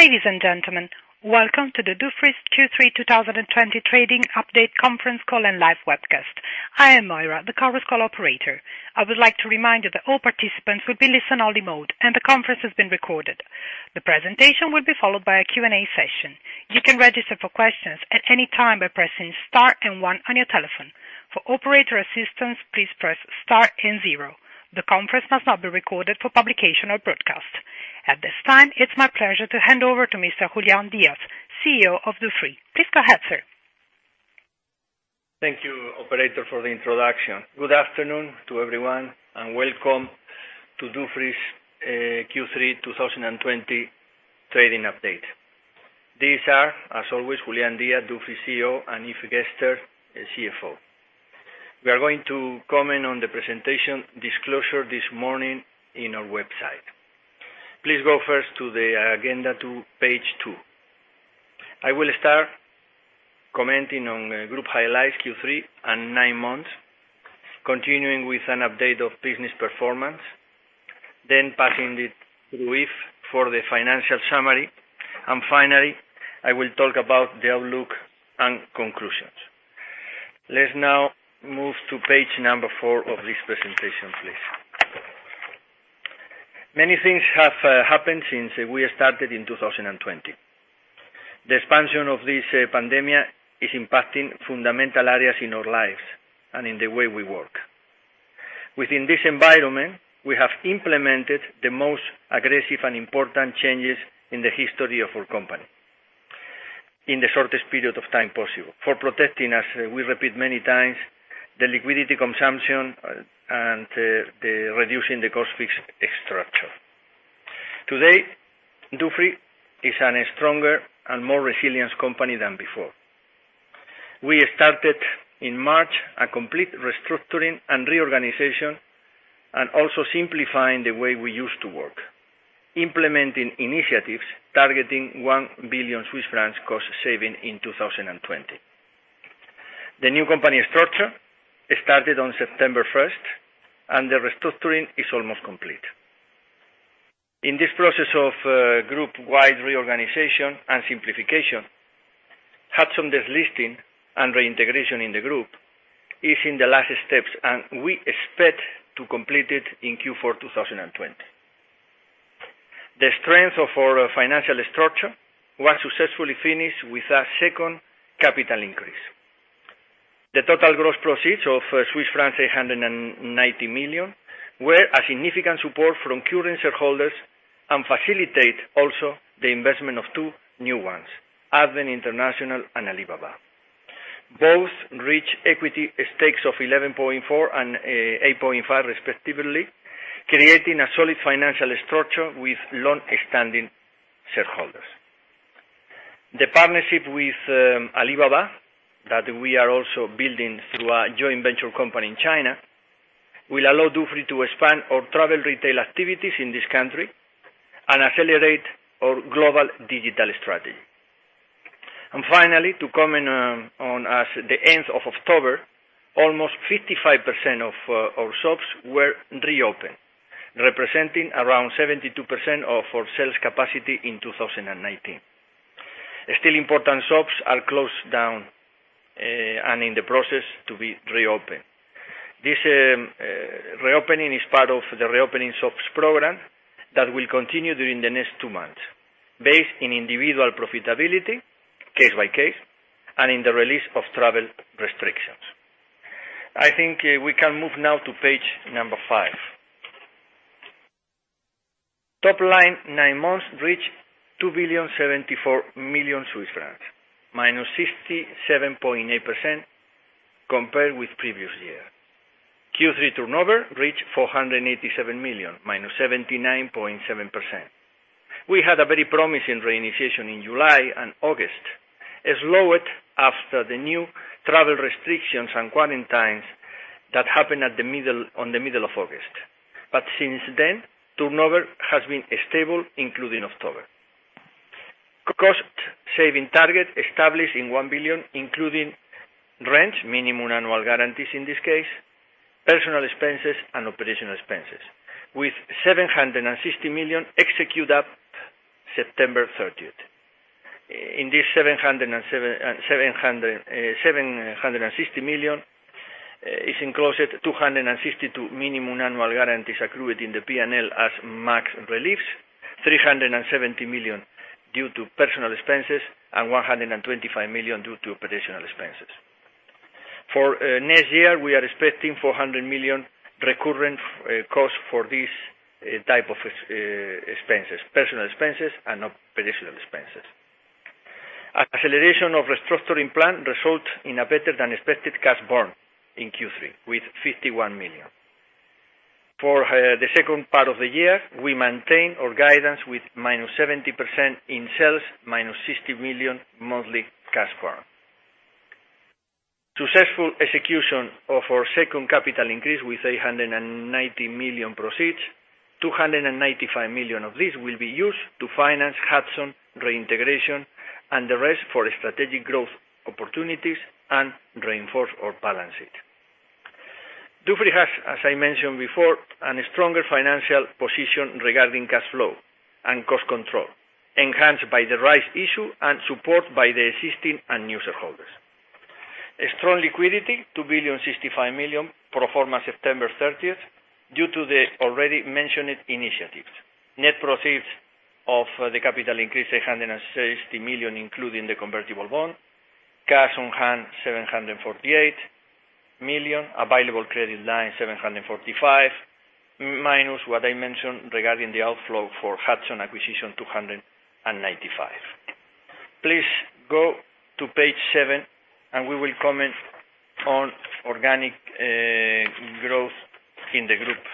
Ladies and gentlemen, welcome to the Dufry's Q3 2020 trading update conference call and live webcast. I am Moira, the conference call operator. I would like to remind you that all participants will be in listen-only mode, and the conference is being recorded. The presentation will be followed by a Q&A session. You can register for questions at any time by pressing star and one on your telephone. For operator assistance, please press star and zero. The conference must not be recorded for publication or broadcast. At this time, it's my pleasure to hand over to Mr. Julián Díaz, CEO of Dufry. Please go ahead, sir. Thank you, operator, for the introduction. Good afternoon to everyone, welcome to Dufry's Q3 2020 trading update. These are, as always, Julián Díaz, Dufry CEO, and Yves Gerster, CFO. We are going to comment on the presentation disclosure this morning on our website. Please go first to the agenda to page two. I will start commenting on group highlights Q3 and nine months, continuing with an update of business performance, then passing it to Yves for the financial summary. Finally, I will talk about the outlook and conclusions. Let's now move to page four of this presentation, please. Many things have happened since we started in 2020. The expansion of this pandemic is impacting fundamental areas in our lives and in the way we work. Within this environment, we have implemented the most aggressive and important changes in the history of our company in the shortest period of time possible for protecting us, we repeat many times, the liquidity consumption and reducing the cost structure. Today, Dufry is a stronger and more resilient company than before. We started in March a complete restructuring and reorganization, and also simplifying the way we used to work, implementing initiatives targeting 1 billion Swiss francs cost saving in 2020. The new company structure started on September 1st, and the restructuring is almost complete. In this process of group-wide reorganization and simplification, Hudson's delisting and reintegration in the group is in the last steps, and we expect to complete it in Q4 2020. The strength of our financial structure was successfully finished with a second capital increase. The total gross proceeds of Swiss francs 890 million were a significant support from current shareholders and facilitate also the investment of two new ones, Advent International and Alibaba. Both reach equity stakes of 11.4% and 8.5% respectively, creating a solid financial structure with long-standing shareholders. The partnership with Alibaba, that we are also building through a joint venture company in China, will allow Dufry to expand our travel retail activities in this country and accelerate our global digital strategy. Finally, to comment on, as the end of October, almost 55% of our shops were reopened, representing around 72% of our sales capacity in 2019. Still important shops are closed down and in the process to be reopened. This reopening is part of the reopening shops program that will continue during the next two months, based on individual profitability case by case and in the release of travel restrictions. I think we can move now to page number five. Top line nine months reached 2 billion, 74 million, -67.8% compared with previous year. Q3 turnover reached 487 million, -79.7%. We had a very promising reinitiation in July and August. It slowed after the new travel restrictions and quarantines that happened in the middle of August. Since then, turnover has been stable, including October. Cost-saving target established at 1 billion, including rents, minimum annual guarantees in this case, personal expenses, and OpEx, with 760 million executed up September 30. In this 760 million is enclosed 262 million minimum annual guarantees accrued in the P&L as MAG reliefs, 370 million due to personal expenses, and 125 million due to OpEx. For next year, we are expecting 400 million recurrent costs for these types of expenses, personal expenses and OpEx. Acceleration of restructuring plan results in a better-than-expected cash burn in Q3, with 51 million. For the second part of the year, we maintain our guidance with -70% in sales, -60 million monthly cash burn. Successful execution of our second capital increase with 890 million proceeds. 295 million of this will be used to finance Hudson reintegration, and the rest for strategic growth opportunities and reinforce our balance sheet. Dufry has, as I mentioned before, a stronger financial position regarding cash flow and cost control, enhanced by the rights issue and support by the existing and new shareholders. A strong liquidity, 2.065 billion pro forma September 30th, due to the already mentioned initiatives. Net proceeds of the capital increase, 860 million, including the convertible bond. Cash on hand, 748 million. Available credit line, 745 million, minus what I mentioned regarding the outflow for Hudson acquisition, 295 million. Please go to page seven, we will comment on organic growth in the group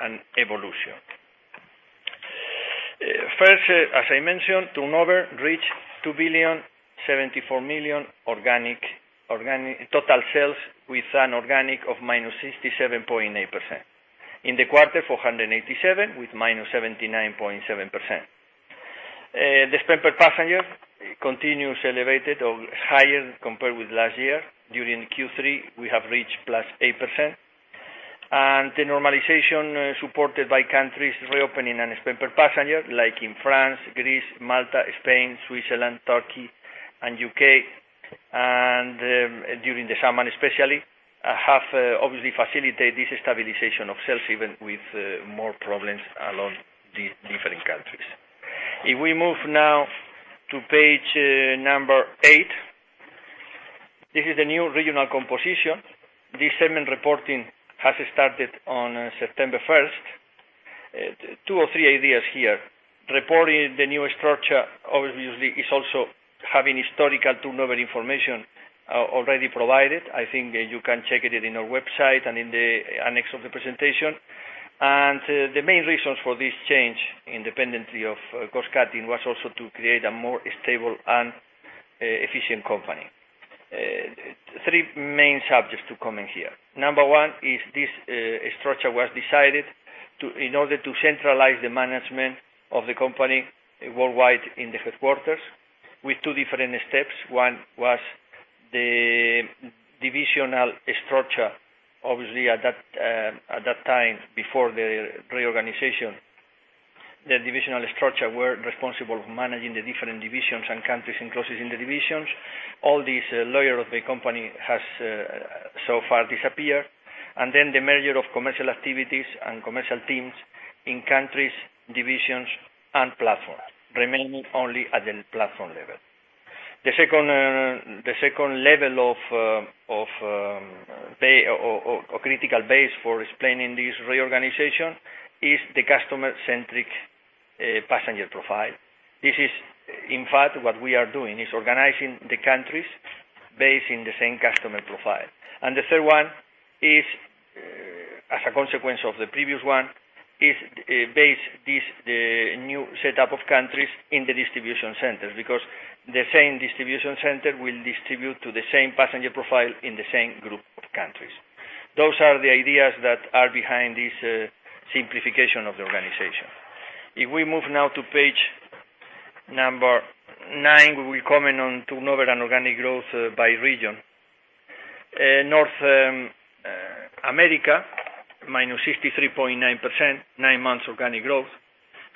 and evolution. First, as I mentioned, turnover reached 2,074 million total sales, with an organic of -67.8%. In the quarter, 487 million with -79.7%. The spend per passenger continues elevated or higher compared with last year. During Q3, we have reached +8%. The normalization supported by countries reopening and spend per passenger, like in France, Greece, Malta, Spain, Switzerland, Turkey, and U.K., and during the summer especially, have obviously facilitate this stabilization of sales even with more problems along these different countries. If we move now to page number eight, this is the new regional composition. This segment reporting has started on September 1st. Two or three ideas here. Reporting the new structure, obviously, is also having historical turnover information already provided. I think you can check it in our website and in the annex of the presentation. The main reasons for this change, independently of cost-cutting, was also to create a more stable and efficient company. Three main subjects to comment here. Number one is this structure was decided in order to centralize the management of the company worldwide in the headquarters with two different steps. One was the divisional structure. Obviously, at that time, before the reorganization, the divisional structure were responsible for managing the different divisions and countries enclosed in the divisions. All these layer of the company has so far disappeared. Then the merger of commercial activities and commercial teams in countries, divisions, and platforms, remaining only at the platform level. The second level of critical base for explaining this reorganization is the customer-centric passenger profile. This is, in fact, what we are doing, is organizing the countries based in the same customer profile. The third one is, as a consequence of the previous one, is base this new setup of countries in the distribution center, because the same distribution center will distribute to the same passenger profile in the same group of countries. Those are the ideas that are behind this simplification of the organization. If we move now to page number nine, we will comment on turnover and organic growth by region. North America, -63.9%, nine months organic growth,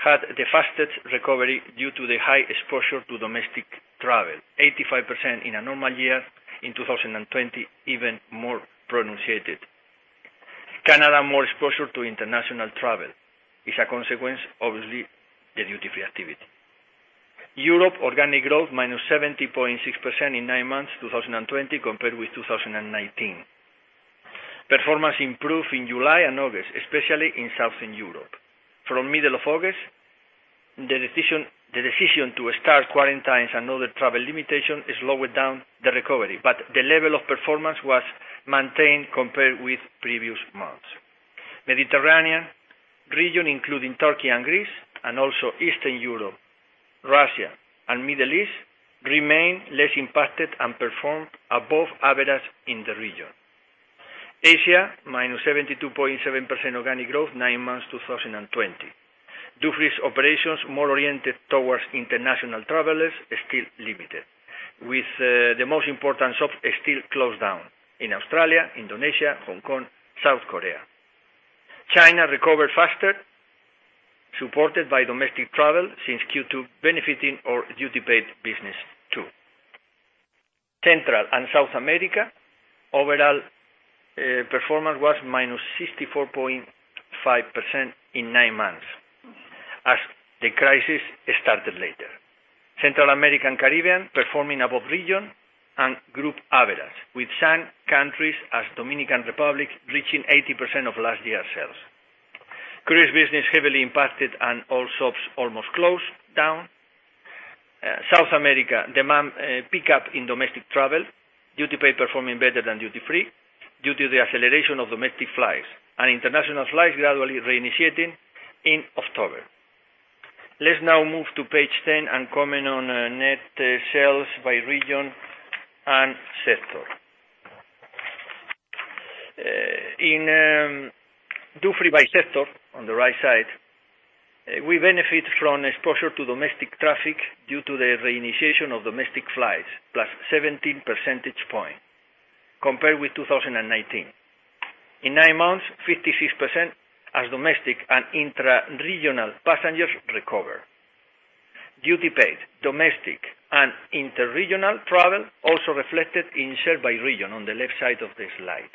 had the fastest recovery due to the high exposure to domestic travel, 85% in a normal year. In 2020, even more pronounced. Canada, more exposure to international travel. It's a consequence, obviously, the duty-free activity. Europe organic growth -70.6% in nine months, 2020 compared with 2019. Performance improved in July and August, especially in Southern Europe. From middle of August, the decision to start quarantines and other travel limitation has lowered down the recovery, but the level of performance was maintained compared with previous months. Mediterranean region, including Turkey and Greece and also Eastern Europe, Russia, and Middle East, remain less impacted and performed above average in the region. Asia, -72.7% organic growth, nine months, 2020. Dufry's operations more oriented towards international travelers, still limited, with the most important shop still closed down in Australia, Indonesia, Hong Kong, South Korea. China recovered faster, supported by domestic travel since Q2, benefiting our duty-paid business too. Central and South America, overall performance was -64.5% in nine months, as the crisis started later. Central America and Caribbean performing above region and group average, with some countries as Dominican Republic reaching 80% of last year sales. Cruise business heavily impacted and all shops almost closed down. South America, demand pick up in domestic travel. Duty paid performing better than duty free due to the acceleration of domestic flights, and international flights gradually reinitiating in October. Let's now move to page 10 and comment on net sales by region and sector. Duty Free by sector, on the right side, we benefit from exposure to domestic traffic due to the reinitiation of domestic flights,+17 percentage points compared with 2019. In nine months, 56% as domestic and intra-regional passengers recover. Duty paid, domestic and inter-regional travel also reflected in share by region on the left side of the slide.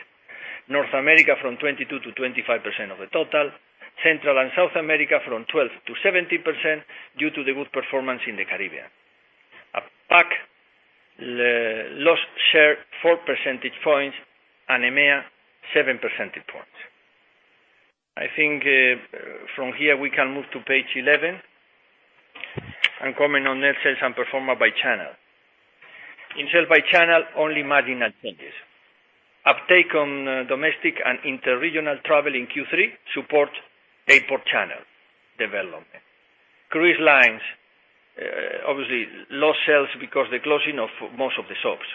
North America, from 22% to 25% of the total. Central and South America, from 12% to 17%, due to the good performance in the Caribbean. APAC lost share 4 percentage points, and EMEA, 7 percentage points. I think from here we can move to page 11 and comment on net sales and performance by channel. In sales by channel, only marginal changes. Uptake on domestic and inter-regional travel in Q3 support airport channel development. Cruise lines, obviously lost sales because the closing of most of the shops.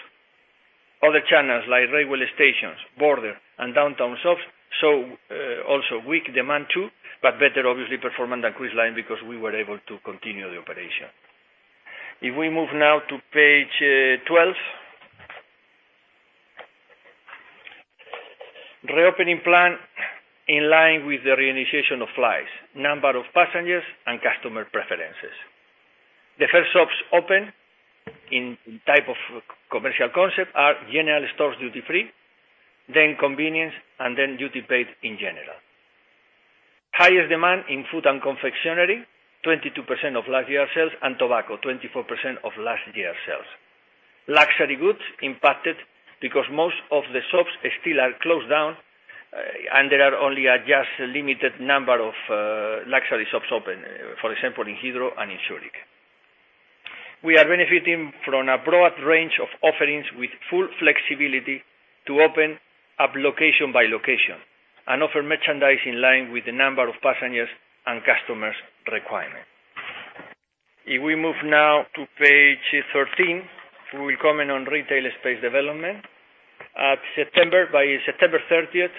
Other channels, like railway stations, border, and downtown shops, saw also weak demand too, but better obviously performance than cruise line because we were able to continue the operation. If we move now to page 12. Reopening plan in line with the reinitiation of flights, number of passengers, and customer preferences. The first shops open in type of commercial concept are general stores duty free, then convenience, and then duty paid in general. Highest demand in food and confectionery, 22% of last year's sales, and tobacco, 24% of last year's sales. Luxury goods impacted because most of the shops still are closed down, and there are only just a limited number of luxury shops open. For example, in Heathrow and in Zurich. We are benefiting from a broad range of offerings with full flexibility to open up location by location and offer merchandise in line with the number of passengers and customers' requirement. If we move now to page 13, we will comment on retail space development. By September 30th,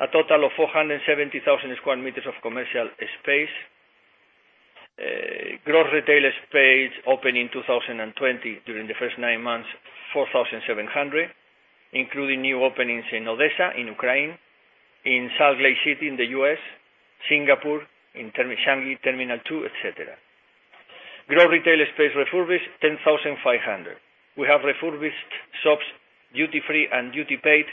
a total of 470,000 sq m of commercial space. Gross retail space open in 2020 during the first nine months, 4,700, including new openings in Odessa, in Ukraine, in Salt Lake City, in the U.S., Singapore, in Changi Terminal 2, et cetera. Gross retail space refurbished, 10,500. We have refurbished shops duty free and duty paid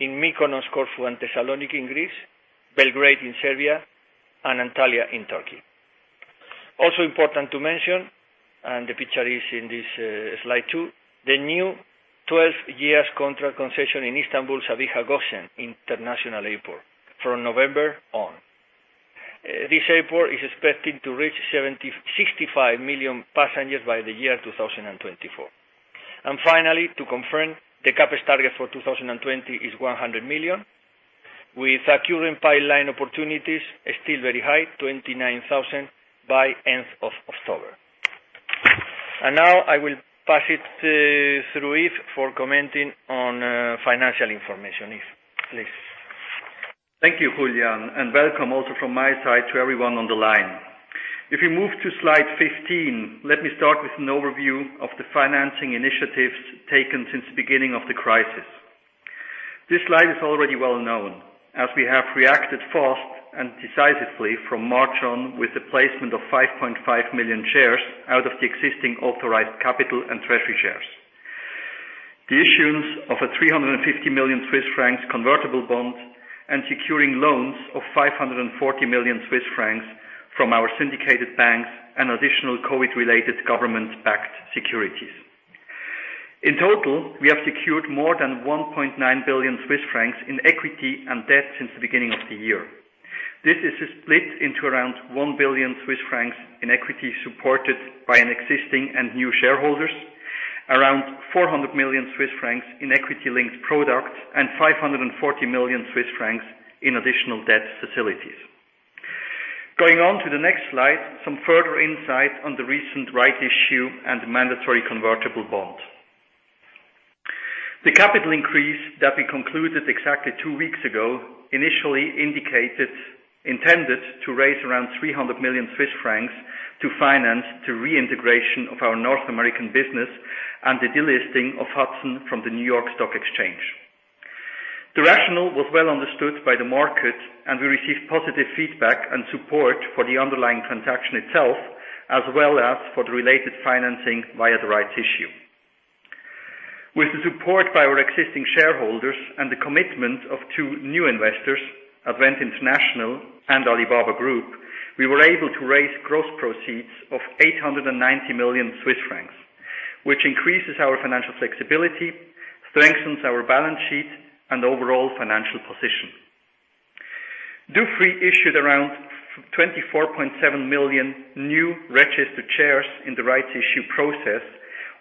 in Mykonos, Corfu, and Thessaloniki in Greece, Belgrade in Serbia, and Antalya in Turkey. Also important to mention, and the picture is in this slide, too, the new 12 years contract concession in Istanbul Sabiha Gökçen International Airport from November on. This airport is expected to reach 65 million passengers by the year 2024. Finally, to confirm the CAPEX target for 2020 is 100 million, with our current pipeline opportunities still very high, 29,000 by end of October. Now, I will pass it to Yves for commenting on financial information. Yves, please. Thank you, Julián, and welcome also from my side to everyone on the line. If you move to slide 15, let me start with an overview of the financing initiatives taken since the beginning of the crisis. This slide is already well-known, as we have reacted fast and decisively from March on with the placement of 5.5 million shares out of the existing authorized capital and treasury shares. The issuance of a 350 million Swiss francs convertible bond and securing loans of 540 million Swiss francs from our syndicated banks, and additional COVID-19-related government-backed securities. In total, we have secured more than 1.9 billion Swiss francs in equity and debt since the beginning of the year. This is split into around 1 billion Swiss francs in equity supported by an existing and new shareholders, around 400 million Swiss francs in equity-linked products, and 540 million Swiss francs in additional debt facilities. Going on to the next slide, some further insight on the recent rights issue and mandatory convertible bond. The capital increase that we concluded exactly two weeks ago initially intended to raise around 300 million Swiss francs to finance the reintegration of our North American business and the delisting of Hudson from the New York Stock Exchange. The rationale was well understood by the market. We received positive feedback and support for the underlying transaction itself, as well as for the related financing via the rights issue. With the support by our existing shareholders and the commitment of two new investors, Advent International and Alibaba Group, we were able to raise gross proceeds of 890 million Swiss francs, which increases our financial flexibility, strengthens our balance sheet, and overall financial position. Dufry issued around 24.7 million new registered shares in the rights issue process,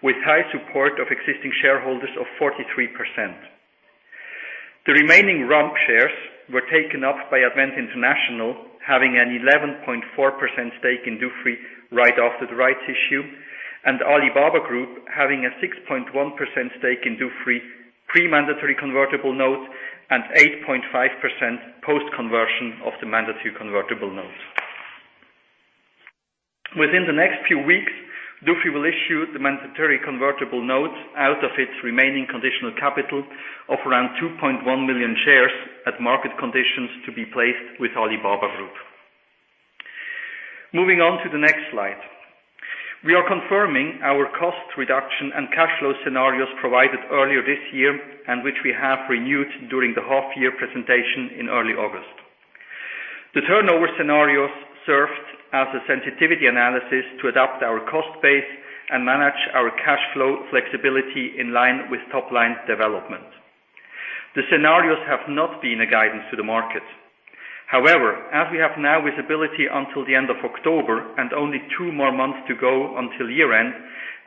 with high support of existing shareholders of 43%. The remaining rump shares were taken up by Advent International, having an 11.4% stake in Dufry right after the rights issue. Alibaba Group having a 6.1% stake in Dufry pre-mandatory convertible notes and 8.5% post-conversion of the mandatory convertible notes. Within the next few weeks, Dufry will issue the mandatory convertible notes out of its remaining conditional capital of around 2.1 million shares at market conditions to be placed with Alibaba Group. Moving on to the next slide. We are confirming our cost reduction and cash flow scenarios provided earlier this year, and which we have renewed during the half year presentation in early August. The turnover scenarios served as a sensitivity analysis to adapt our cost base and manage our cash flow flexibility in line with top-line development. The scenarios have not been a guidance to the market. However, as we have now visibility until the end of October and only two more months to go until year-end,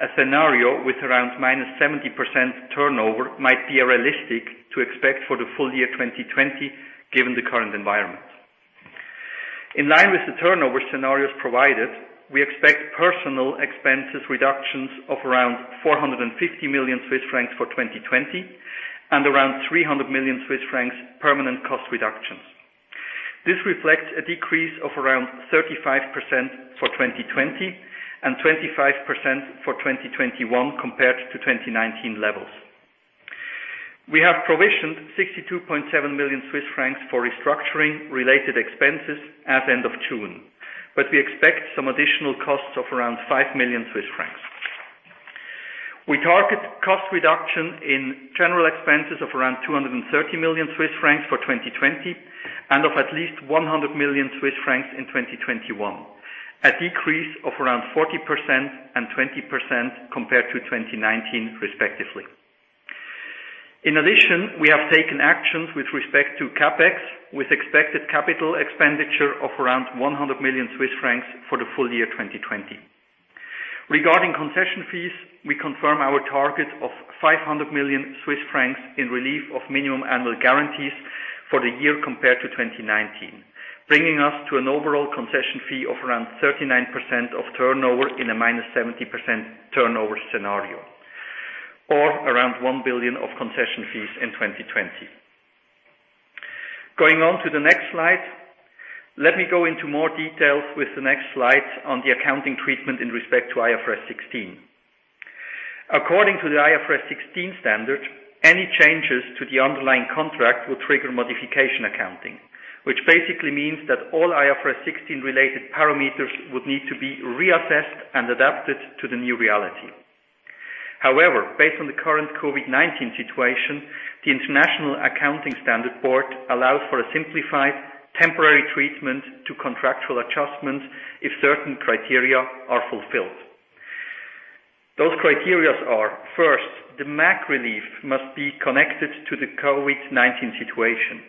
a scenario with around -70% turnover might be realistic to expect for the full year 2020, given the current environment. In line with the turnover scenarios provided, we expect personal expenses reductions of around 450 million Swiss francs for 2020, and around 300 million Swiss francs permanent cost reductions. This reflects a decrease of around 35% for 2020 and 25% for 2021 compared to 2019 levels. We have provisioned 62.7 million Swiss francs for restructuring related expenses at end of June. We expect some additional costs of around 5 million Swiss francs. We target cost reduction in general expenses of around 230 million Swiss francs for 2020, and of at least 100 million Swiss francs in 2021. A decrease of around 40% and 20% compared to 2019 respectively. In addition, we have taken actions with respect to CAPEX, with expected capital expenditure of around 100 million Swiss francs for the full year 2020. Regarding concession fees, we confirm our target of 500 million Swiss francs in relief of minimum annual guarantees for the year compared to 2019, bringing us to an overall concession fee of around 39% of turnover in a -70% turnover scenario. Around 1 billion of concession fees in 2020. Going on to the next slide. Let me go into more details with the next slide on the accounting treatment in respect to IFRS 16. According to the IFRS 16 standard, any changes to the underlying contract will trigger modification accounting, which basically means that all IFRS 16 related parameters would need to be reassessed and adapted to the new reality. However, based on the current COVID-19 situation, the International Accounting Standards Board allows for a simplified temporary treatment to contractual adjustments if certain criteria are fulfilled. Those criteria are, First, the MAG relief must be connected to the COVID-19 situation.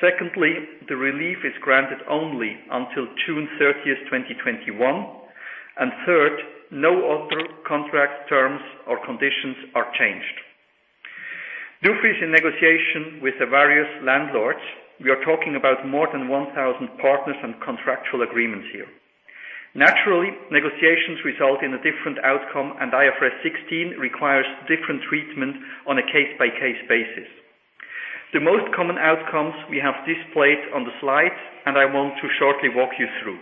Secondly, the relief is granted only until June 30th, 2021. Third, no other contract terms or conditions are changed. Dufry is in negotiation with the various landlords. We are talking about more than 1,000 partners and contractual agreements here. Naturally, negotiations result in a different outcome. IFRS 16 requires different treatment on a case-by-case basis. The most common outcomes we have displayed on the slides. I want to shortly walk you through.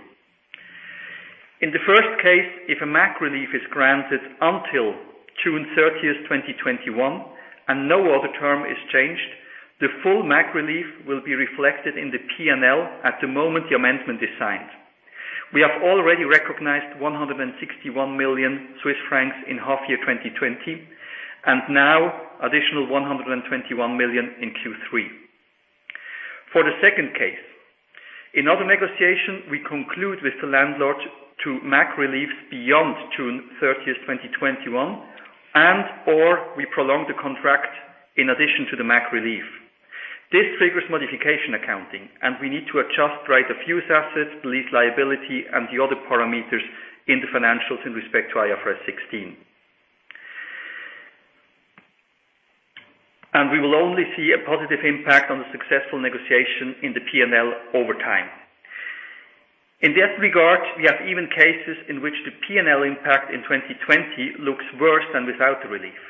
In the first case, if a MAG relief is granted until June 30, 2021 and no other term is changed, the full MAG relief will be reflected in the P&L at the moment the amendment is signed. We have already recognized 161 million Swiss francs in half year 2020, and now additional 121 million in Q3. For the second case, in other negotiation, we conclude with the landlord to MAG relief beyond June 30, 2021, and/or we prolong the contract in addition to the MAG relief. This triggers modification accounting. We need to adjust right-of-use assets, lease liability, and the other parameters in the financials in respect to IFRS 16. We will only see a positive impact on the successful negotiation in the P&L over time. In that regard, we have even cases in which the P&L impact in 2020 looks worse than without the relief.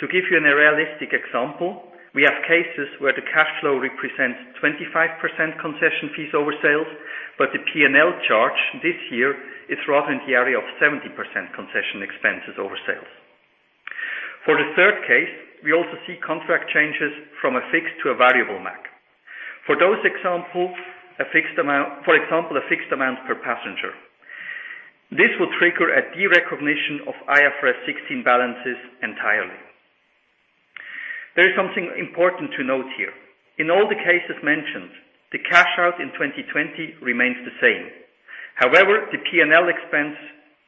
To give you a realistic example, we have cases where the cash flow represents 25% concession fees over sales, but the P&L charge this year is rather in the area of 70% concession expenses over sales. For the third case, we also see contract changes from a fixed to a variable MAG. For example, a fixed amount per passenger. This will trigger a derecognition of IFRS 16 balances entirely. There is something important to note here. In all the cases mentioned, the cash out in 2020 remains the same. However, the P&L expense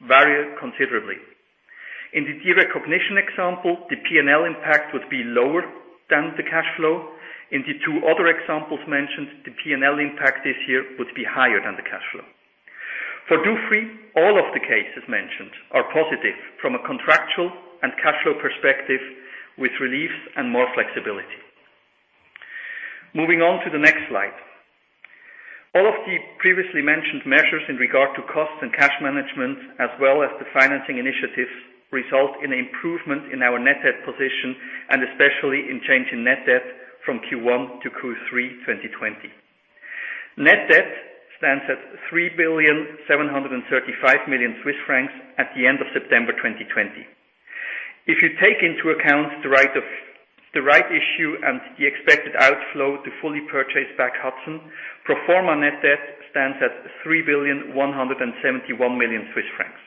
vary considerably. In the derecognition example, the P&L impact would be lower than the cash flow. In the two other examples mentioned, the P&L impact this year would be higher than the cash flow. For Dufry, all of the cases mentioned are positive from a contractual and cash flow perspective with relief and more flexibility. Moving on to the next slide. All of the previously mentioned measures in regard to cost and cash management, as well as the financing initiatives, result in improvement in our net debt position, and especially in change in net debt from Q1 to Q3 2020. Net debt stands at 3,735 million Swiss francs at the end of September 2020. If you take into account the right issue and the expected outflow to fully purchase back Hudson, pro forma net debt stands at 3,171 million Swiss francs.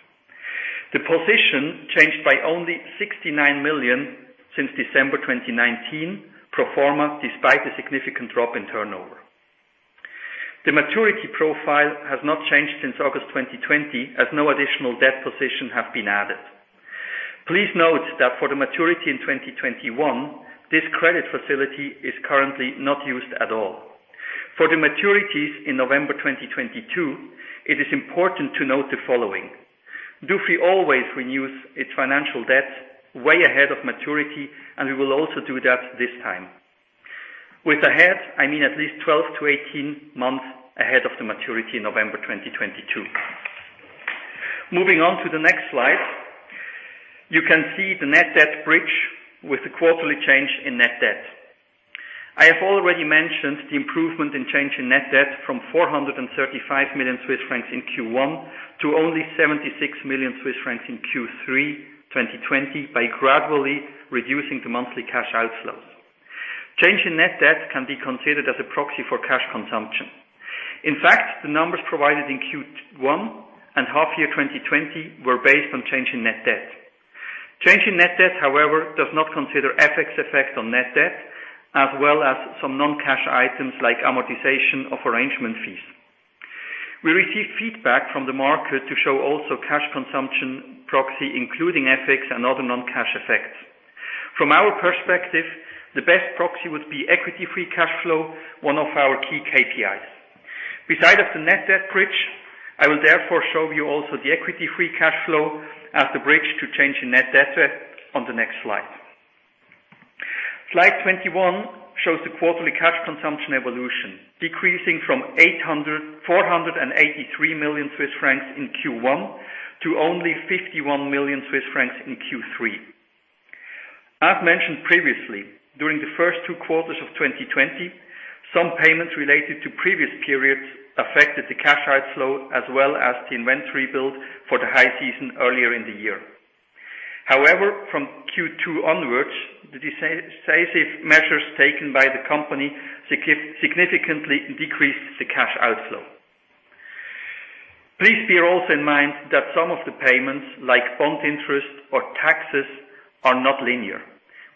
The position changed by only 69 million since December 2019, pro forma, despite a significant drop in turnover. The maturity profile has not changed since August 2020, as no additional debt position have been added. Please note that for the maturity in 2021, this credit facility is currently not used at all. For the maturities in November 2022, it is important to note the following. Dufry always renews its financial debt way ahead of maturity. We will also do that this time. With ahead, I mean at least 12-18 months ahead of the maturity in November 2022. Moving on to the next slide. You can see the net debt bridge with the quarterly change in net debt. I have already mentioned the improvement in change in net debt from 435 million Swiss francs in Q1 to only 76 million Swiss francs in Q3 2020 by gradually reducing the monthly cash outflows. Change in net debt can be considered as a proxy for cash consumption. In fact, the numbers provided in Q1 and half year 2020 were based on change in net debt. Change in net debt, however, does not consider FX effect on net debt, as well as some non-cash items like amortization of arrangement fees. We received feedback from the market to show also cash consumption proxy, including FX and other non-cash effects. From our perspective, the best proxy would be Equity Free Cash Flow, one of our key KPIs. Beside of the net debt bridge, I will therefore show you also the Equity Free Cash Flow as the bridge to change in net debt on the next slide. Slide 21 shows the quarterly cash consumption evolution, decreasing from 483 million Swiss francs in Q1 to only 51 million Swiss francs in Q3. As mentioned previously, during the first two quarters of 2020, some payments related to previous periods affected the cash outflow as well as the inventory build for the high season earlier in the year. However, from Q2 onwards, the decisive measures taken by the company significantly decreased the cash outflow. Please bear also in mind that some of the payments, like bond interest or taxes, are not linear.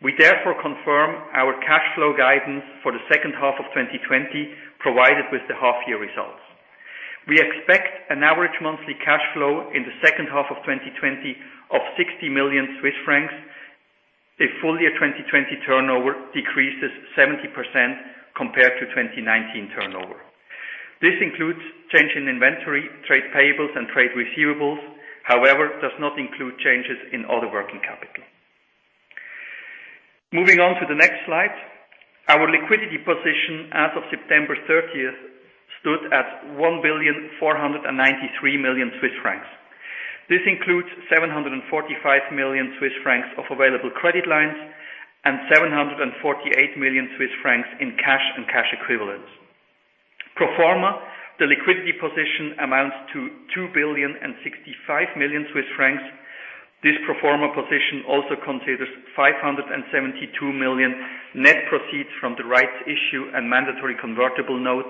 We therefore confirm our cash flow guidance for the second half of 2020, provided with the half-year results. We expect an average monthly cash flow in the second half of 2020 of 60 million Swiss francs if full-year 2020 turnover decreases 70% compared to 2019 turnover. This includes change in inventory, trade payables, and trade receivables, however, does not include changes in other working capital. Moving on to the next slide. Our liquidity position as of September 30th stood at 1,493 million Swiss francs. This includes 745 million Swiss francs of available credit lines and 748 million Swiss francs in cash and cash equivalents. Pro forma, the liquidity position amounts to 2.065 billion. This pro forma position also considers 572 million net proceeds from the rights issue and mandatory convertible note,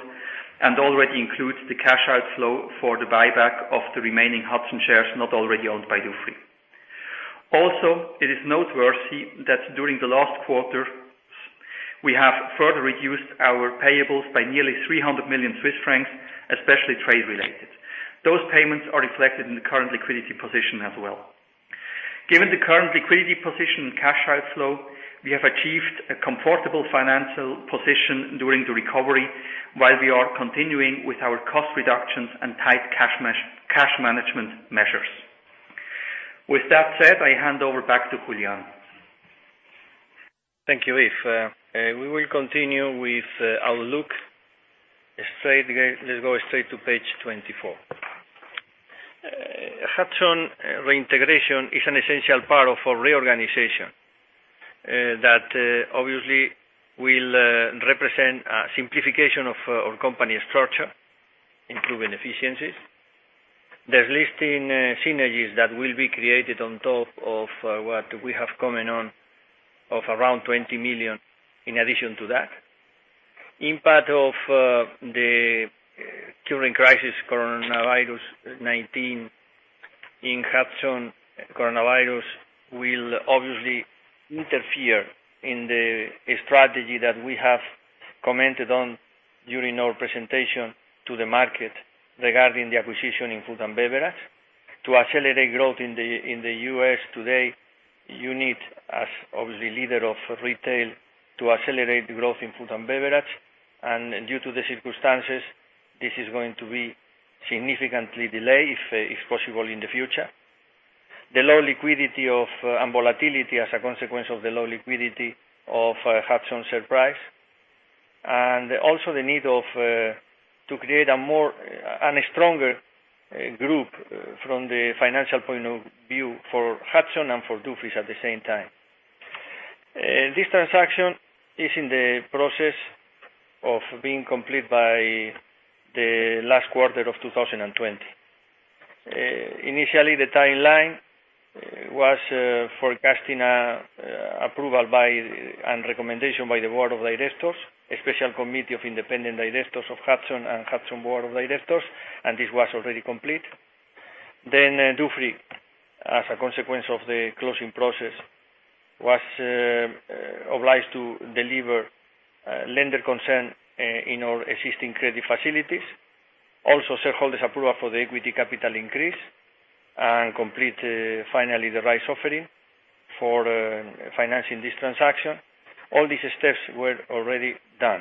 and already includes the cash outflow for the buyback of the remaining Hudson shares not already owned by Dufry. Also, it is noteworthy that during the last quarters, we have further reduced our payables by nearly 300 million Swiss francs, especially trade-related. Those payments are reflected in the current liquidity position as well. Given the current liquidity position and cash outflow, we have achieved a comfortable financial position during the recovery while we are continuing with our cost reductions and tight cash management measures. With that said, I hand over back to Julián. Thank you, Yves. We will continue with our look. Let's go straight to page 24. Hudson reintegration is an essential part of our reorganization. That obviously will represent a simplification of our company structure, improving efficiencies. There's delisting synergies that will be created on top of what we have commented on of around 20 million in addition to that. Impact of the current crisis, COVID-19, in Hudson, coronavirus will obviously interfere in the strategy that we have commented on during our presentation to the market regarding the acquisition in food and beverage. To accelerate growth in the U.S. today, you need as, obviously, leader of retail to accelerate the growth in food and beverage. Due to the circumstances, this is going to be significantly delayed, if possible, in the future. The low liquidity and volatility as a consequence of the low liquidity of Hudson's share price, and also the need to create a stronger group from the financial point of view for Hudson and for Dufry at the same time. This transaction is in the process of being completed by the last quarter of 2020. Initially, the timeline was forecasting approval and recommendation by the board of directors, a special committee of independent directors of Hudson and Hudson board of directors, and this was already complete. Dufry, as a consequence of the closing process, was obliged to deliver lender consent in our existing credit facilities. Shareholders' approval for the equity capital increase and complete, finally, the rights offering for financing this transaction. All these steps were already done.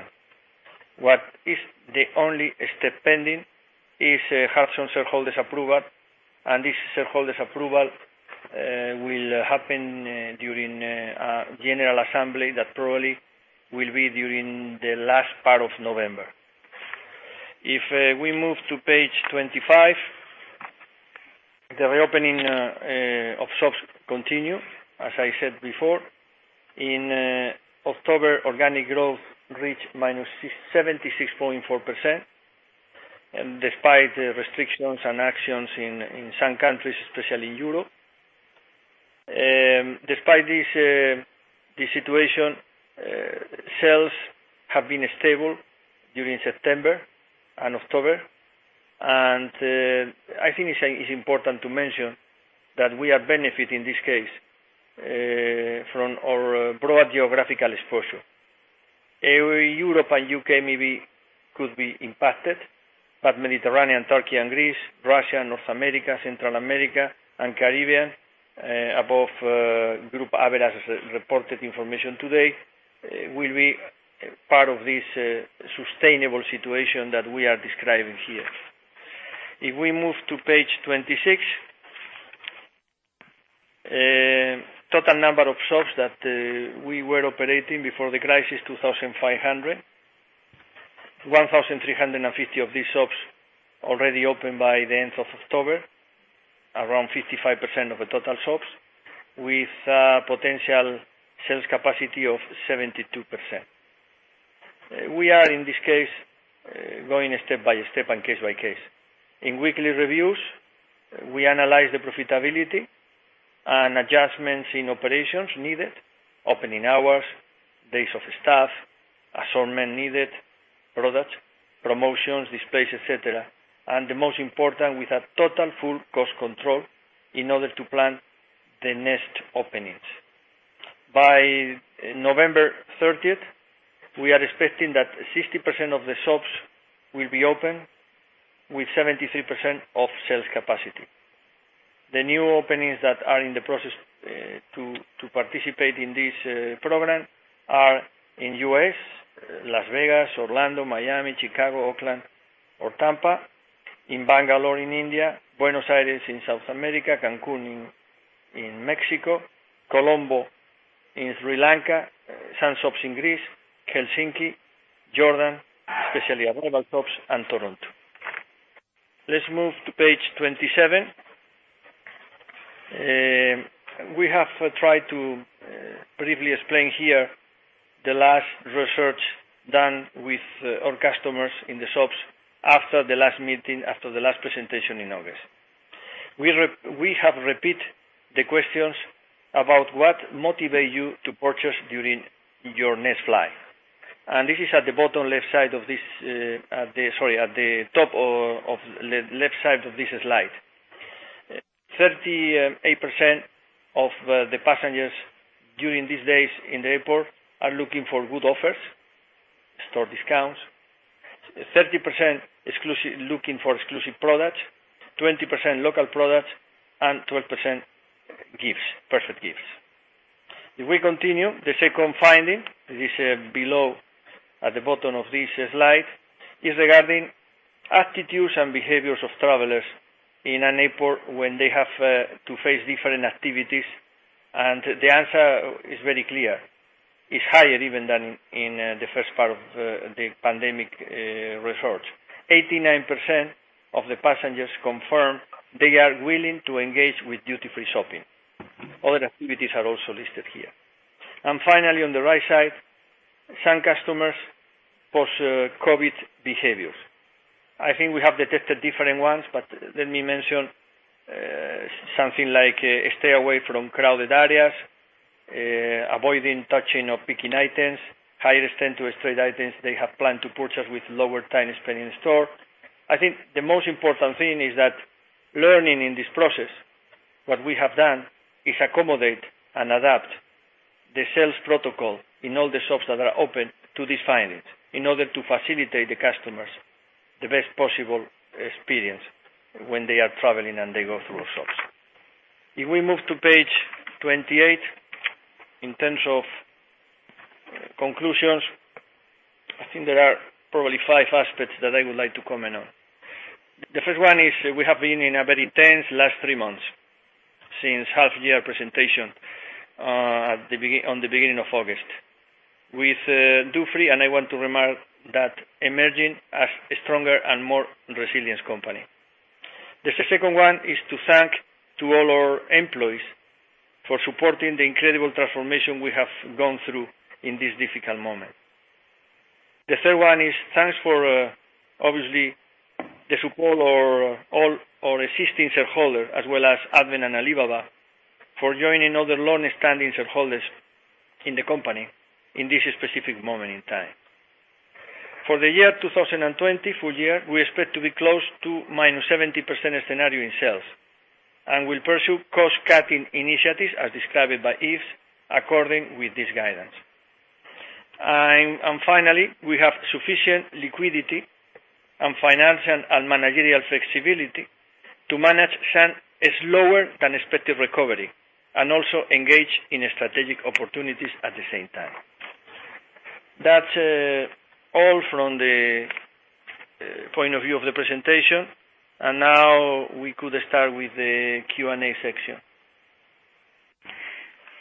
What is the only step pending is Hudson shareholders' approval. This shareholders' approval will happen during a general assembly that probably will be during the last part of November. If we move to page 25, the reopening of shops continue, as I said before. In October, organic growth reached -76.4%, despite the restrictions and actions in some countries, especially in Europe. Despite this situation, sales have been stable during September and October. I think it's important to mention that we are benefiting, this case, from our broad geographical exposure. Europe and U.K. maybe could be impacted, but Mediterranean, Turkey and Greece, Russia, North America, Central America, and Caribbean, above Avolta Group reported information today, will be part of this sustainable situation that we are describing here. If we move to page 26. Total number of shops that we were operating before the crisis, 2,500. 1,350 of these shops already opened by the end of October, around 55% of the total shops, with potential sales capacity of 72%. We are, in this case, going step by step and case by case. In weekly reviews, we analyze the profitability and adjustments in operations needed, opening hours, days of staff, assortment needed, products, promotions, displays, et cetera. The most important, we have total full cost control in order to plan the next openings. By November 30th, we are expecting that 60% of the shops will be open with 73% of sales capacity. The new openings that are in the process to participate in this program are in U.S., Las Vegas, Orlando, Miami, Chicago, Oakland, or Tampa, in Bangalore in India, Buenos Aires in South America, Cancun in Mexico, Colombo in Sri Lanka, some shops in Greece, Helsinki, Jordan, especially arrival shops, and Toronto. Let's move to page 27. We have tried to briefly explain here the last research done with our customers in the shops after the last meeting, after the last presentation in August. We have repeated the questions about what motivate you to purchase during your next flight. This is at the top of the left side of this slide. 38% of the passengers during these days in the airport are looking for good offers, store discounts, 30% looking for exclusive products, 20% local products, and 12% gifts, perfect gifts. We continue, the second finding, this is below at the bottom of this slide, is regarding attitudes and behaviors of travelers in an airport when they have to face different activities. The answer is very clear. It's higher even than in the first part of the pandemic research. 89% of the passengers confirm they are willing to engage with duty-free shopping. Other activities are also listed here. Finally, on the right side, some customers' post-COVID behaviors. I think we have detected different ones, but let me mention something like stay away from crowded areas, avoiding touching or picking items, higher extent to trade items they have planned to purchase with lower time spent in store. I think the most important thing is that learning in this process, what we have done is accommodate and adapt the sales protocol in all the shops that are open to these findings in order to facilitate the customers the best possible experience when they are traveling and they go through our shops. If we move to page 28, Conclusions. I think there are probably five aspects that I would like to comment on. The first one is we have been in a very tense last three months since half year presentation on the beginning of August. With Dufry, I want to remark that emerging as a stronger and more resilient company. The second one is to thank to all our employees for supporting the incredible transformation we have gone through in this difficult moment. The third one is thanks for, obviously, the support our existing shareholder, as well as Advent and Alibaba, for joining other longstanding shareholders in the company in this specific moment in time. For the year 2020 full year, we expect to be close to -70% scenario in sales. We'll pursue cost-cutting initiatives as described by Yves according with this guidance. Finally, we have sufficient liquidity and financial and managerial flexibility to manage a slower than expected recovery, and also engage in strategic opportunities at the same time. That's all from the point of view of the presentation. Now we could start with the Q&A section.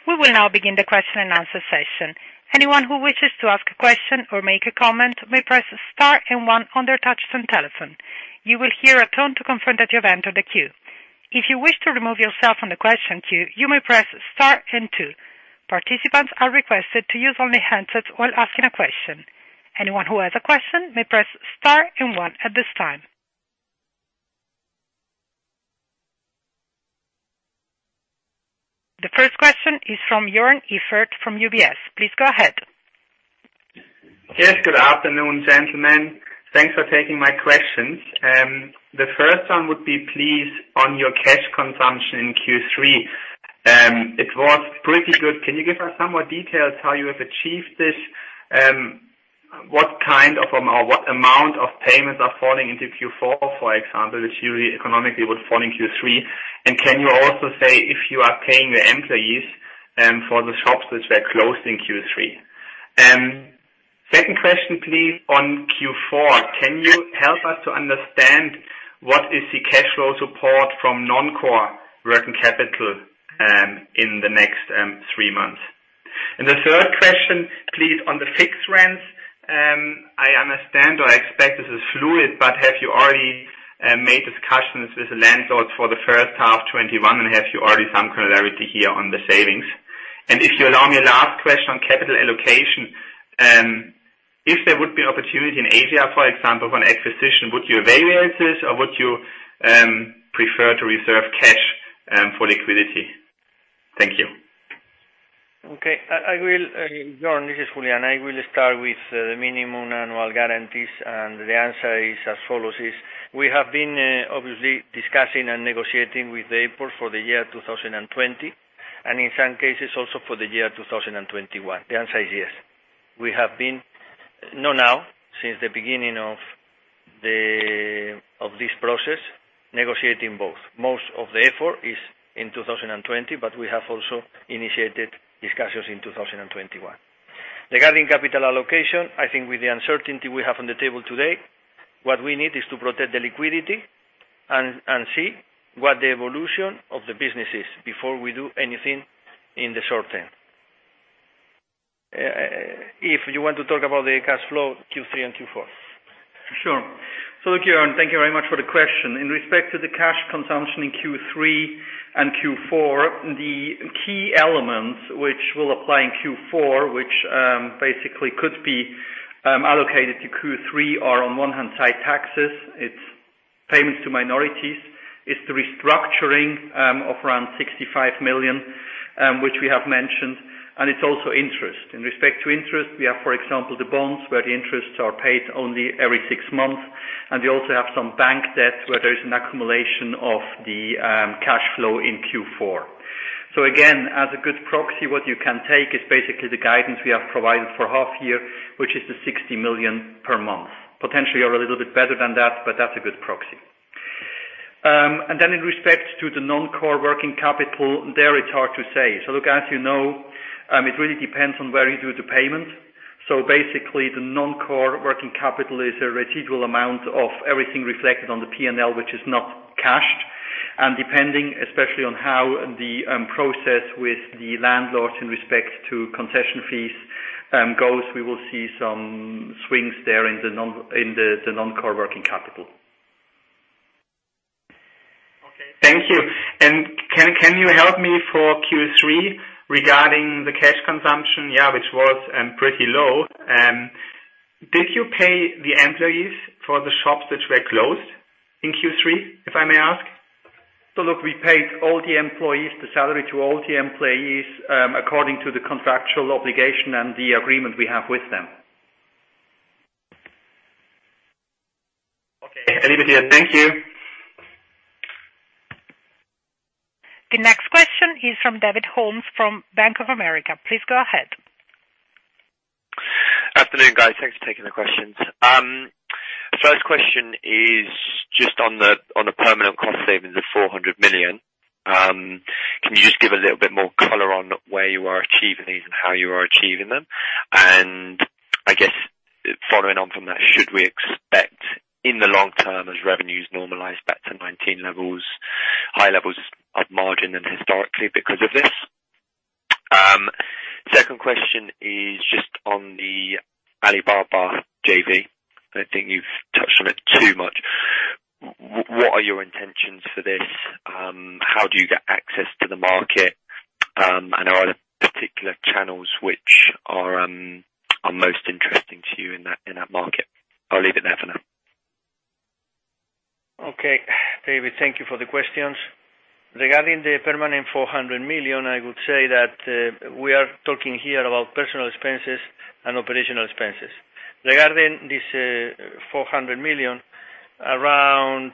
We will now begin the question and answer session. Anyone who wishes to ask a question or make a comment may press star and one on their touchtone telephone. You will hear a tone to confirm that you have entered the queue. If you wish to remove yourself from the question queue, you may press star and two. Participants are requested to use only headsets while asking a question. Anyone who has a question may press star and one at this time. The first question is from Joern Iffert from UBS. Please go ahead. Yes, good afternoon, gentlemen. Thanks for taking my questions. The first one would be, please, on your cash consumption in Q3. It was pretty good. Can you give us some more details how you have achieved this? What amount of payments are falling into Q4, for example, which you economically would fall in Q3? Can you also say if you are paying the employees for the shops which were closed in Q3? Second question, please, on Q4, can you help us to understand what is the cash flow support from non-core working capital in the next three months? The third question, please, on the fixed rents, I understand or I expect this is fluid, but have you already made discussions with the landlords for the first half 2021, and have you already some clarity here on the savings? If you allow me a last question on capital allocation, if there would be opportunity in Asia, for example, for an acquisition, would you evaluate this or would you prefer to reserve cash for liquidity? Thank you. Okay. Joern, this is Julián. I will start with the minimum annual guarantees, and the answer is as follows, we have been obviously discussing and negotiating with the airport for the year 2020, and in some cases also for the year 2021. The answer is yes. We have been, not now, since the beginning of this process, negotiating both. Most of the effort is in 2020, but we have also initiated discussions in 2021. Regarding capital allocation, I think with the uncertainty we have on the table today, what we need is to protect the liquidity and see what the evolution of the business is before we do anything in the short term. Yves, you want to talk about the cash flow Q3 and Q4? Sure. Look, Joern, thank you very much for the question. In respect to the cash consumption in Q3 and Q4, the key elements which will apply in Q4, which basically could be allocated to Q3 are on one hand side, taxes. It's payments to minorities. It's the restructuring of around 65 million, which we have mentioned, and it's also interest. In respect to interest, we have, for example, the bonds where the interests are paid only every six months, and we also have some bank debt where there's an accumulation of the cash flow in Q4. Again, as a good proxy, what you can take is basically the guidance we have provided for half year, which is the 60 million per month. Potentially are a little bit better than that's a good proxy. In respect to the non-core working capital, there it's hard to say. Look, as you know, it really depends on where you do the payment. Basically, the non-core working capital is a residual amount of everything reflected on the P&L which is not cashed. Depending, especially on how the process with the landlord in respect to concession fees goes, we will see some swings there in the non-core working capital. Okay. Thank you. Can you help me for Q3 regarding the cash consumption, yeah, which was pretty low. Did you pay the employees for the shops which were closed in Q3, if I may ask? Look, we paid all the employees the salary to all the employees, according to the contractual obligation and the agreement we have with them. Okay. Anybody there? Thank you. The next question is from David Holmes from Bank of America. Please go ahead. Afternoon, guys. Thanks for taking the questions. First question is just on the permanent cost savings of 400 million. Can you just give a little bit more color on where you are achieving these and how you are achieving them? I guess, following on from that, should we expect in the long term as revenues normalize back to 2019 levels, high levels of margin than historically because of this? Second question is just on the Alibaba JV. I don't think you've touched on it too much. What are your intentions for this? How do you get access to the market? Are there particular channels which are most interesting to you in that market? I'll leave it there for now. David, thank you for the questions. Regarding the permanent 400 million, I would say that we are talking here about personal expenses and operational expenses. Regarding this, 400 million, around,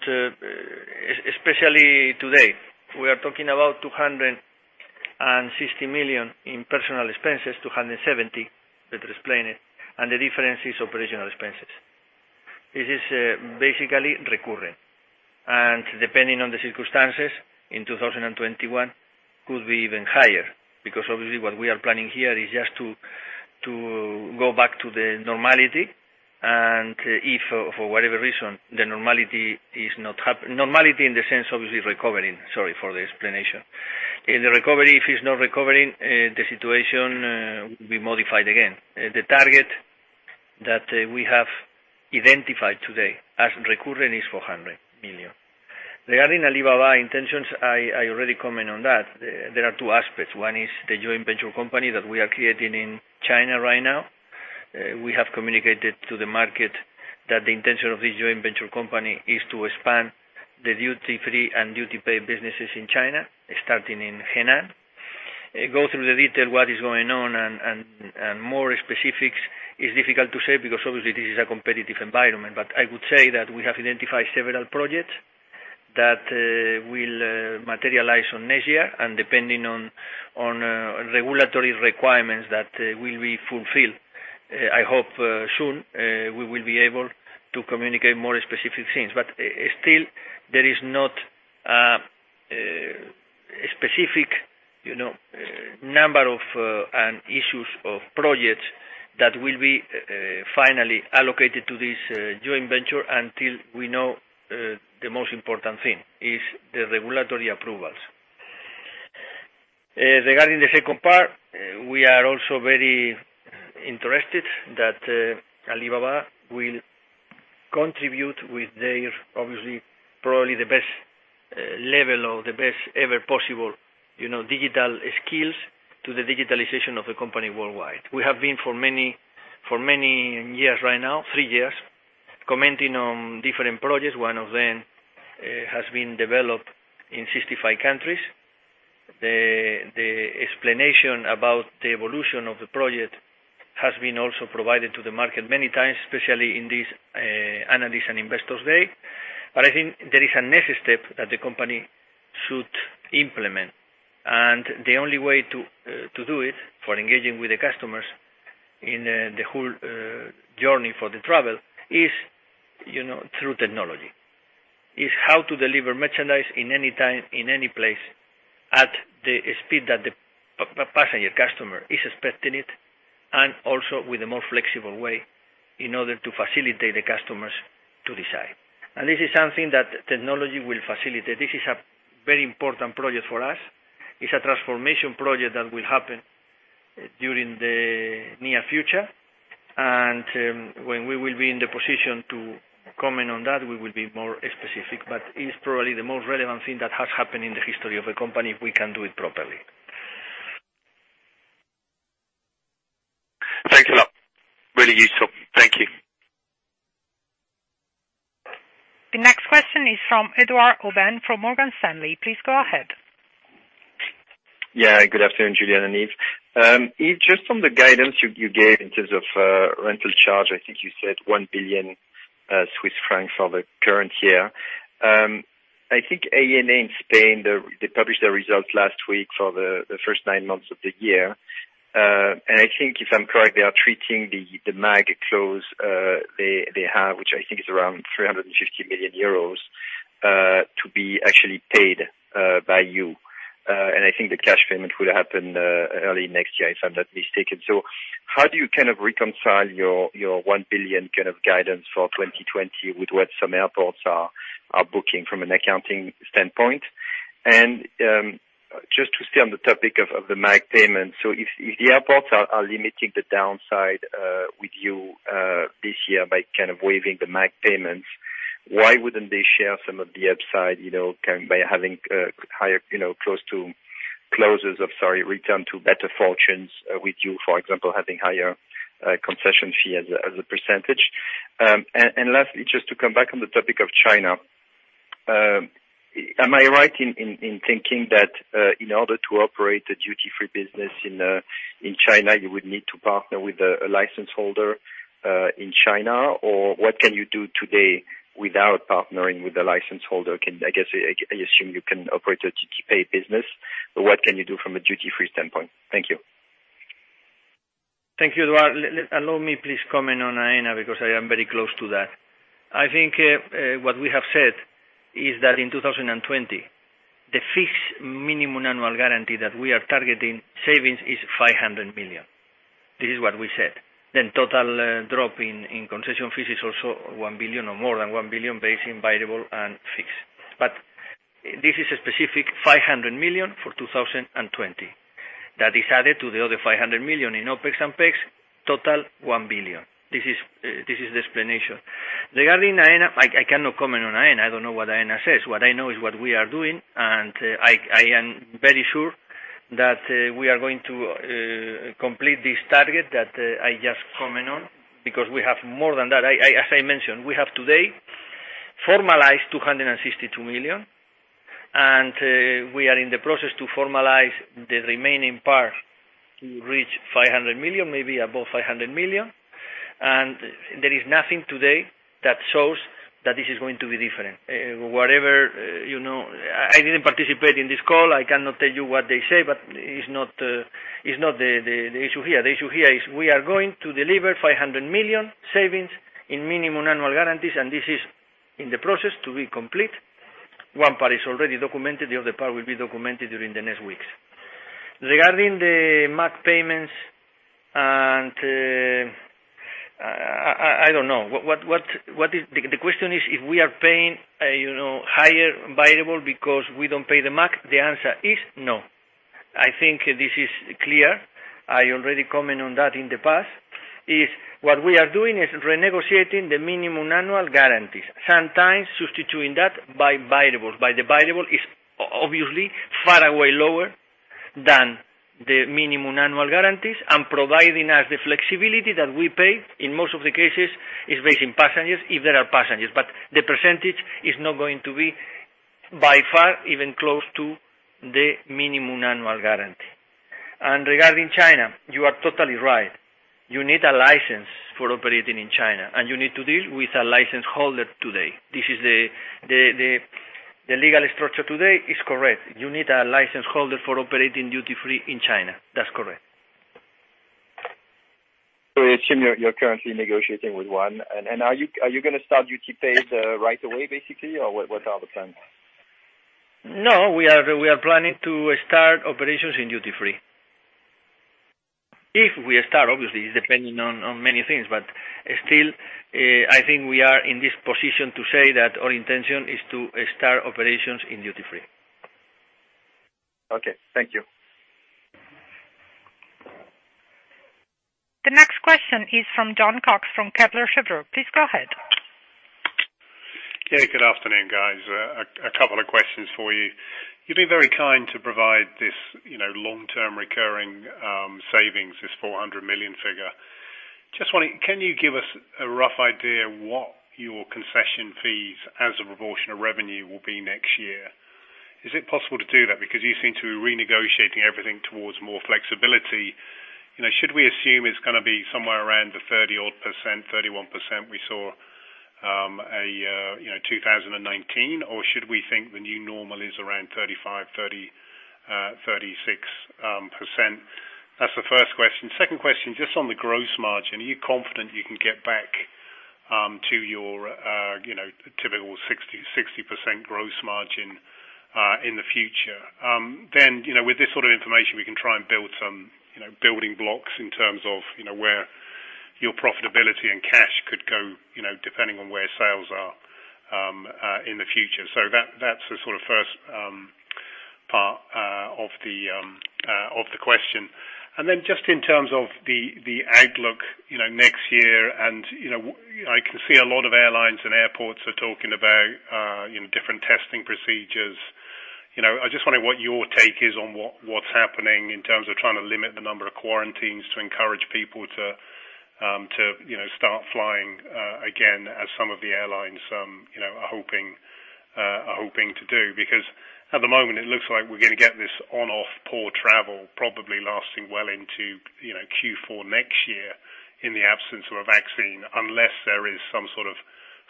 especially today, we are talking about 260 million in personal expenses, 270 million, let me explain it, and the difference is operational expenses. This is basically recurring, and depending on the circumstances in 2021, could be even higher, because obviously what we are planning here is just to go back to the normality. If for whatever reason, the normality is not happening, normality in the sense, obviously, recovering, sorry for the explanation. In the recovery, if it's not recovering, the situation will be modified again. The target that we have identified today as recurring is 400 million. Regarding Alibaba intentions, I already comment on that. There are two aspects. One is the joint venture company that we are creating in China right now. We have communicated to the market that the intention of this joint venture company is to expand the duty-free and duty-paid businesses in China, starting in Hainan. Go through the detail what is going on and more specifics is difficult to say because obviously this is a competitive environment. I would say that we have identified several projects that will materialize on next year, and depending on regulatory requirements that will be fulfilled, I hope soon we will be able to communicate more specific things. Still, there is not a specific number of and issues of projects that will be finally allocated to this joint venture until we know the most important thing, is the regulatory approvals. Regarding the second part, we are also very interested that Alibaba will contribute with their obviously, probably the best level or the best ever possible digital skills to the digitalization of the company worldwide. We have been for many years right now, three years, commenting on different projects. One of them has been developed in 65 countries. The explanation about the evolution of the project has been also provided to the market many times, especially in these analysis and investors day. I think there is a next step that the company should implement. The only way to do it for engaging with the customers in the whole journey for the travel is through technology. Is how to deliver merchandise in any time, in any place, at the speed that the passenger customer is expecting it, and also with a more flexible way in order to facilitate the customers to decide. This is something that technology will facilitate. This is a very important project for us. It's a transformation project that will happen during the near future. When we will be in the position to comment on that, we will be more specific, but it is probably the most relevant thing that has happened in the history of the company, if we can do it properly. Thanks a lot. Really useful. Thank you. The next question is from Edouard Aubin from Morgan Stanley. Please go ahead. Good afternoon, Julián and Yves. Yves, just on the guidance you gave in terms of rental charge, I think you said 1 billion Swiss francs for the current year. I think Aena in Spain, they published their results last week for the first nine months of the year. I think if I'm correct, they are treating the MAG clause they have, which I think is around CHF 350 million, to be actually paid by you. I think the cash payment will happen early next year, if I'm not mistaken. How do you kind of reconcile your 1 billion kind of guidance for 2020 with what some airports are booking from an accounting standpoint? Just to stay on the topic of the MAG payment, if the airports are limiting the downside with you this year by kind of waiving the MAG payments, why wouldn't they share some of the upside by having higher return to better fortunes with you, for example, having higher concession fee as a %? Lastly, just to come back on the topic of China, am I right in thinking that in order to operate a duty-free business in China, you would need to partner with a license holder in China? What can you do today without partnering with a license holder? I guess, I assume you can operate a duty paid business, but what can you do from a duty-free standpoint? Thank you. Thank you, Edouard. Allow me, please comment on Aena because I am very close to that. I think what we have said is that in 2020, the fixed minimum annual guarantee that we are targeting savings is 500 million. This is what we said. Total drop in concession fees is also 1 billion or more than 1 billion base in variable and fixed. This is a specific 500 million for 2020 that is added to the other 500 million in OpEx and PerEx, total 1 billion. This is the explanation. Regarding Aena, I cannot comment on Aena. I don't know what Aena says. What I know is what we are doing, and I am very sure that we are going to complete this target that I just comment on because we have more than that. As I mentioned, we have today formalized 262 million and we are in the process to formalize the remaining part to reach 500 million, maybe above 500 million. There is nothing today that shows that this is going to be different. I didn't participate in this call. I cannot tell you what they say, but it's not the issue here. The issue here is we are going to deliver 500 million savings in minimum annual guarantees, and this is in the process to be complete. One part is already documented, the other part will be documented during the next weeks. Regarding the MAG payments, I don't know. The question is if we are paying higher variable because we don't pay the MAG, the answer is no. I think this is clear. I already comment on that in the past. What we are doing is renegotiating the minimum annual guarantees, sometimes substituting that by variables. By the variable is obviously far away lower than the minimum annual guarantees and providing us the flexibility that we pay, in most of the cases, is based in passengers, if there are passengers. The percentage is not going to be by far even close to the minimum annual guarantee. Regarding China, you are totally right. You need a license for operating in China, and you need to deal with a license holder today. The legal structure today is correct. You need a license holder for operating duty-free in China. That's correct. I assume you're currently negotiating with one, and are you going to start duty paid right away, basically? What are the plans? No. We are planning to start operations in duty-free. If we start, obviously, it is depending on many things, but still, I think we are in this position to say that our intention is to start operations in duty-free. Okay. Thank you. The next question is from Jon Cox from Kepler Cheuvreux. Please go ahead. Good afternoon, guys. A couple of questions for you. You've been very kind to provide this long-term recurring savings, this 400 million figure. Can you give us a rough idea what your concession fees as a proportion of revenue will be next year? Is it possible to do that? You seem to be renegotiating everything towards more flexibility. Should we assume it's going to be somewhere around the 30% odd, 31% we saw 2019, or should we think the new normal is around 35%-36%? That's the first question. Second question. Just on the gross margin, are you confident you can get back to your typical 60% gross margin in the future? With this sort of information, we can try and build some building blocks in terms of where your profitability and cash could go, depending on where sales are in the future. That's the first part of the question. Then just in terms of the outlook, next year I can see a lot of airlines and airports are talking about different testing procedures. I just wonder what your take is on what's happening in terms of trying to limit the number of quarantines to encourage people to start flying again as some of the airlines are hoping to do, because at the moment it looks like we're going to get this on-off poor travel probably lasting well into Q4 next year in the absence of a vaccine, unless there is some sort of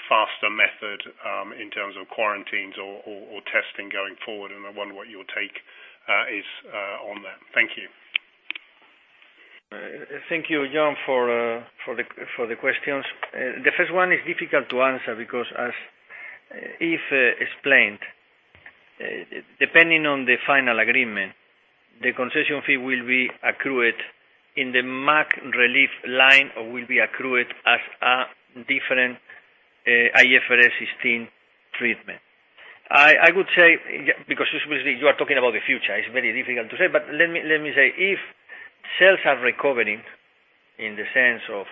faster method, in terms of quarantines or testing going forward. I wonder what your take is on that. Thank you. Thank you, Jon, for the questions. The first one is difficult to answer because as Yves explained, depending on the final agreement, the concession fee will be accrued in the MAG relief line or will be accrued as a different IFRS 16 treatment. I would say, because obviously you are talking about the future, it's very difficult to say. Let me say, if sales are recovering in the sense of,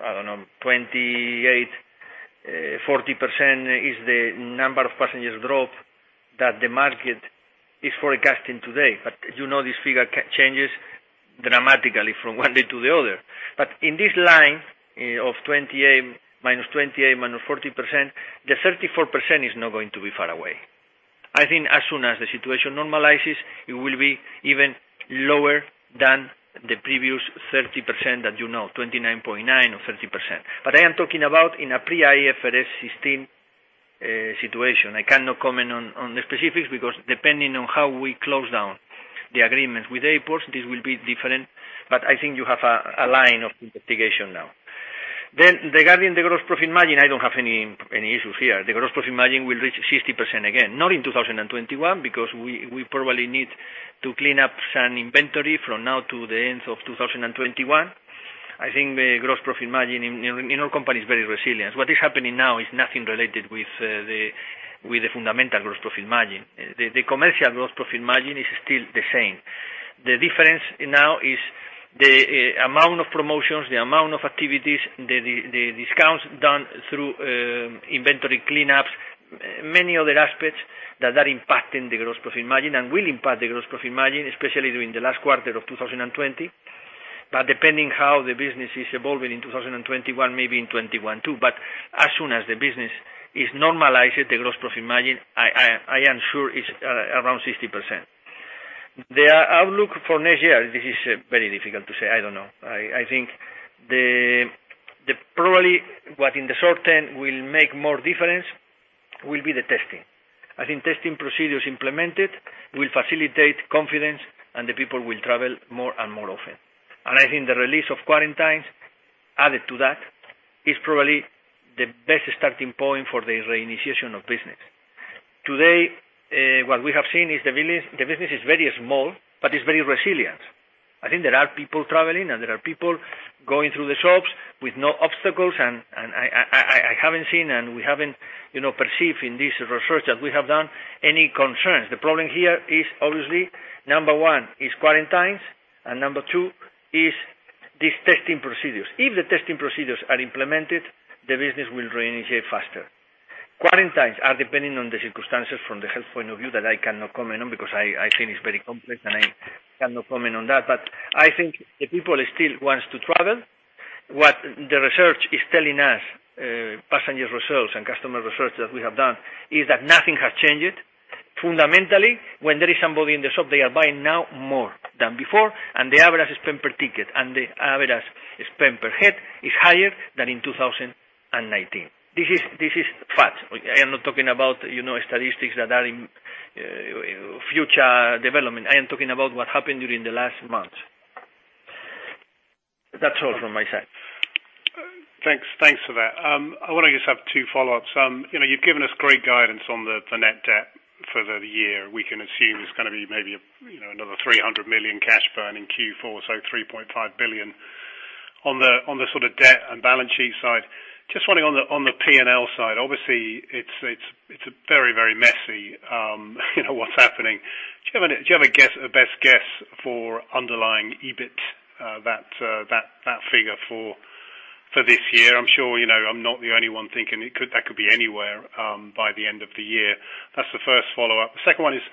I don't know, 28%-40% is the number of passengers drop that the market is forecasting today. You know this figure changes dramatically from one day to the other. In this line of -28% to -40%, the 34% is not going to be far away. I think as soon as the situation normalizes, it will be even lower than the previous 30% that you know, 29.9% or 30%. I am talking about in a pre-IFRS 16 situation. I cannot comment on the specifics because depending on how we close down the agreements with airports, this will be different. I think you have a line of investigation now. Regarding the gross profit margin, I don't have any issues here. The gross profit margin will reach 60% again, not in 2021 because we probably need to clean up some inventory from now to the end of 2021. I think the gross profit margin in our company is very resilient. What is happening now is nothing related with the fundamental gross profit margin. The commercial gross profit margin is still the same. The difference now is the amount of promotions, the amount of activities, the discounts done through inventory cleanups, many other aspects that are impacting the gross profit margin and will impact the gross profit margin, especially during the last quarter of 2020. Depending how the business is evolving in 2021, maybe in 2021 too, but as soon as the business is normalized, the gross profit margin, I am sure is around 60%. The outlook for next year, this is very difficult to say. I don't know. I think probably what in the short term will make more difference will be the testing. I think testing procedures implemented will facilitate confidence, and the people will travel more and more often. I think the release of quarantines added to that is probably the best starting point for the reinitiation of business. Today, what we have seen is the business is very small, but it's very resilient. I think there are people traveling, and there are people going through the shops with no obstacles, and I haven't seen, and we haven't perceived in this research that we have done any concerns. The problem here is obviously, number one is quarantines, and number two is these testing procedures. If the testing procedures are implemented, the business will reinitiate faster. Quarantines are depending on the circumstances from the health point of view that I cannot comment on because I think it's very complex, and I cannot comment on that. I think the people still wants to travel. What the research is telling us, passenger research and customer research that we have done is that nothing has changed. Fundamentally, when there is somebody in the shop, they are buying now more than before, and the average spend per ticket and the average spend per head is higher than in 2019. This is fact. I am not talking about statistics that are in future development. I am talking about what happened during the last month. That's all from my side. Thanks for that. I want to just have two follow-ups. You've given us great guidance on the net debt for the year. We can assume it's going to be maybe another 300 million cash burn in Q4, so 3.5 billion. On the sort of debt and balance sheet side, just wanting on the P&L side, obviously it's very, very messy what's happening. Do you have a best guess for underlying EBIT, that figure for this year? I'm sure I'm not the only one thinking that could be anywhere by the end of the year. That's the first follow-up. The second one is,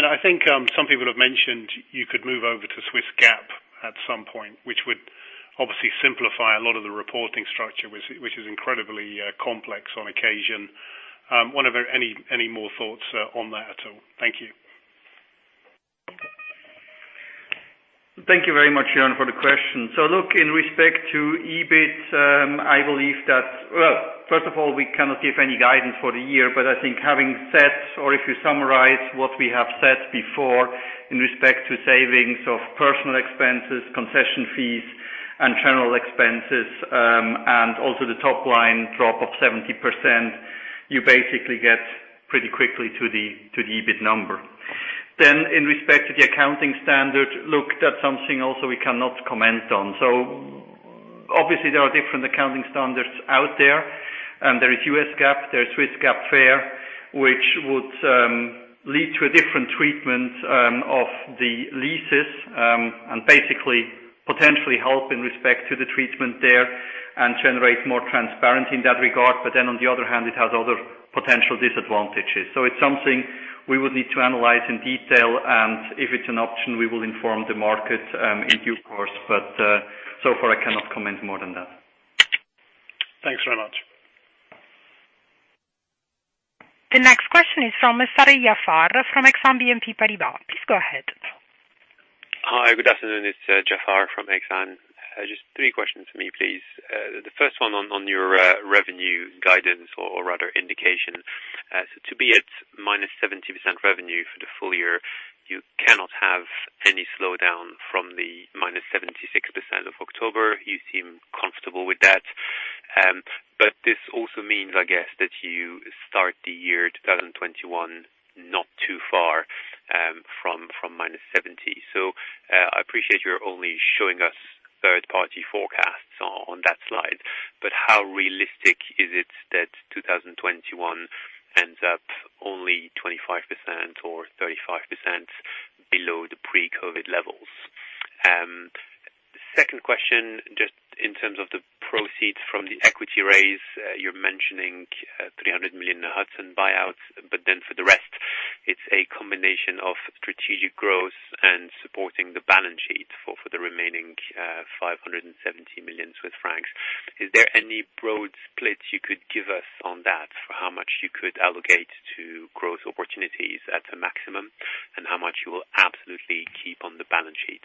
I think some people have mentioned you could move over to Swiss GAAP at some point, which would obviously simplify a lot of the reporting structure, which is incredibly complex on occasion. Wonder if any more thoughts on that at all. Thank you. Thank you very much, Ian, for the question. Look, in respect to EBIT, I believe first of all, we cannot give any guidance for the year, I think having said, or if you summarize what we have said before in respect to savings of personal expenses, concession fees, and general expenses, also the top line drop of 70%, you basically get pretty quickly to the EBIT number. In respect to the accounting standard, look, that's something also we cannot comment on. Obviously there are different accounting standards out there is US GAAP, there's Swiss GAAP FER, which would lead to a different treatment of the leases, basically potentially help in respect to the treatment there generate more transparency in that regard. On the other hand, it has other potential disadvantages. It's something we would need to analyze in detail, and if it's an option, we will inform the market in due course. So far I cannot comment more than that. Thanks very much. The next question is from Jaafar Mestari from Exane BNP Paribas. Please go ahead. Hi. Good afternoon. It's Jaafar from Exane. Just three questions for me, please. The first one on your revenue guidance or rather indication. To be at -70% revenue for the full year, you cannot have any slowdown from the -76% of October. You seem comfortable with that. This also means, I guess, that you start the year 2021 not too far from -70. I appreciate you're only showing us third party forecasts on that slide. How realistic is it that 2021 ends up only 25% or 35% below the pre-COVID-19 levels? Second question, just in terms of the proceeds from the equity raise. You're mentioning 300 million Hudson buyouts, but then for the rest, it's a combination of strategic growth and supporting the balance sheet for the remaining 570 million Swiss francs. Is there any broad split you could give us on that for how much you could allocate to growth opportunities at a maximum, and how much you will absolutely keep on the balance sheet?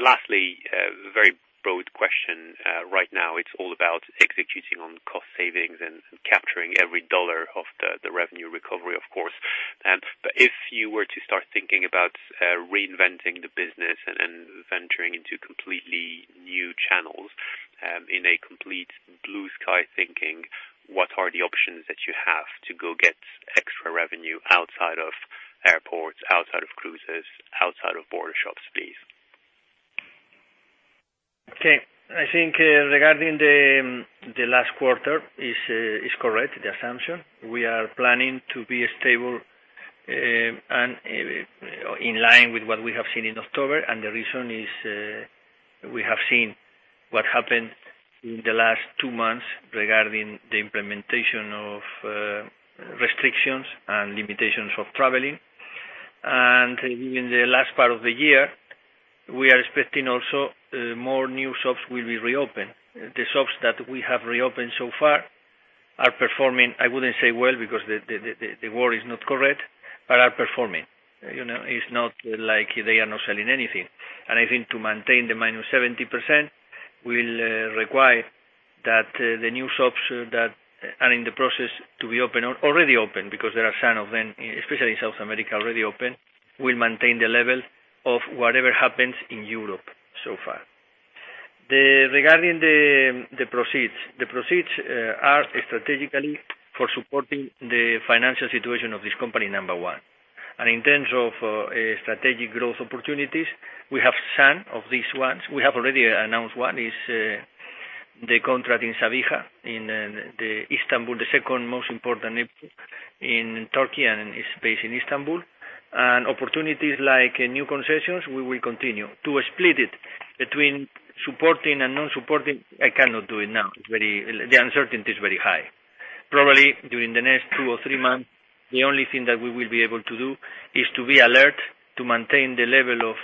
Lastly, a very broad question. Right now it's all about executing on cost savings and capturing every dollar of the revenue recovery, of course. If you were to start thinking about reinventing the business and venturing into completely new channels, in a complete blue sky thinking, what are the options that you have to go get extra revenue outside of airports, outside of cruises, outside of border shops, please? Okay. I think, regarding the last quarter is correct, the assumption. We are planning to be stable and in line with what we have seen in October. The reason is, we have seen what happened in the last two months regarding the implementation of restrictions and limitations of traveling. During the last part of the year, we are expecting also more new shops will be reopened. The shops that we have reopened so far are performing, I wouldn't say well, because the word is not correct, but are performing. It's not like they are not selling anything. I think to maintain the -70% will require that the new shops that are in the process to be open or already open, because there are some of them, especially in South America, already open, will maintain the level of whatever happens in Europe so far. Regarding the proceeds. The proceeds are strategically for supporting the financial situation of this company, number one. In terms of strategic growth opportunities, we have some of these ones. We have already announced one is the contract in Sevilla, in Istanbul, the second most important airport in Turkey, and is based in Istanbul. Opportunities like new concessions, we will continue. To split it between supporting and non-supporting, I cannot do it now. The uncertainty is very high. Probably during the next two or three months, the only thing that we will be able to do is to be alert, to maintain the level of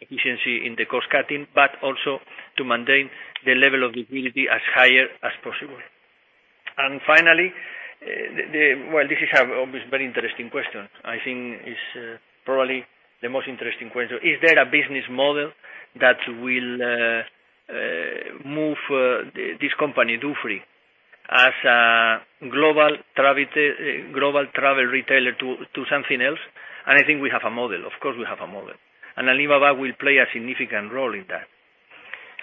efficiency in the cost-cutting, but also to maintain the level of liquidity as high as possible. Finally, well, this is a very interesting question. I think it's probably the most interesting question. Is there a business model that will move this company, Dufry, as a global travel retailer to something else? I think we have a model. Of course, we have a model. Alibaba will play a significant role in that.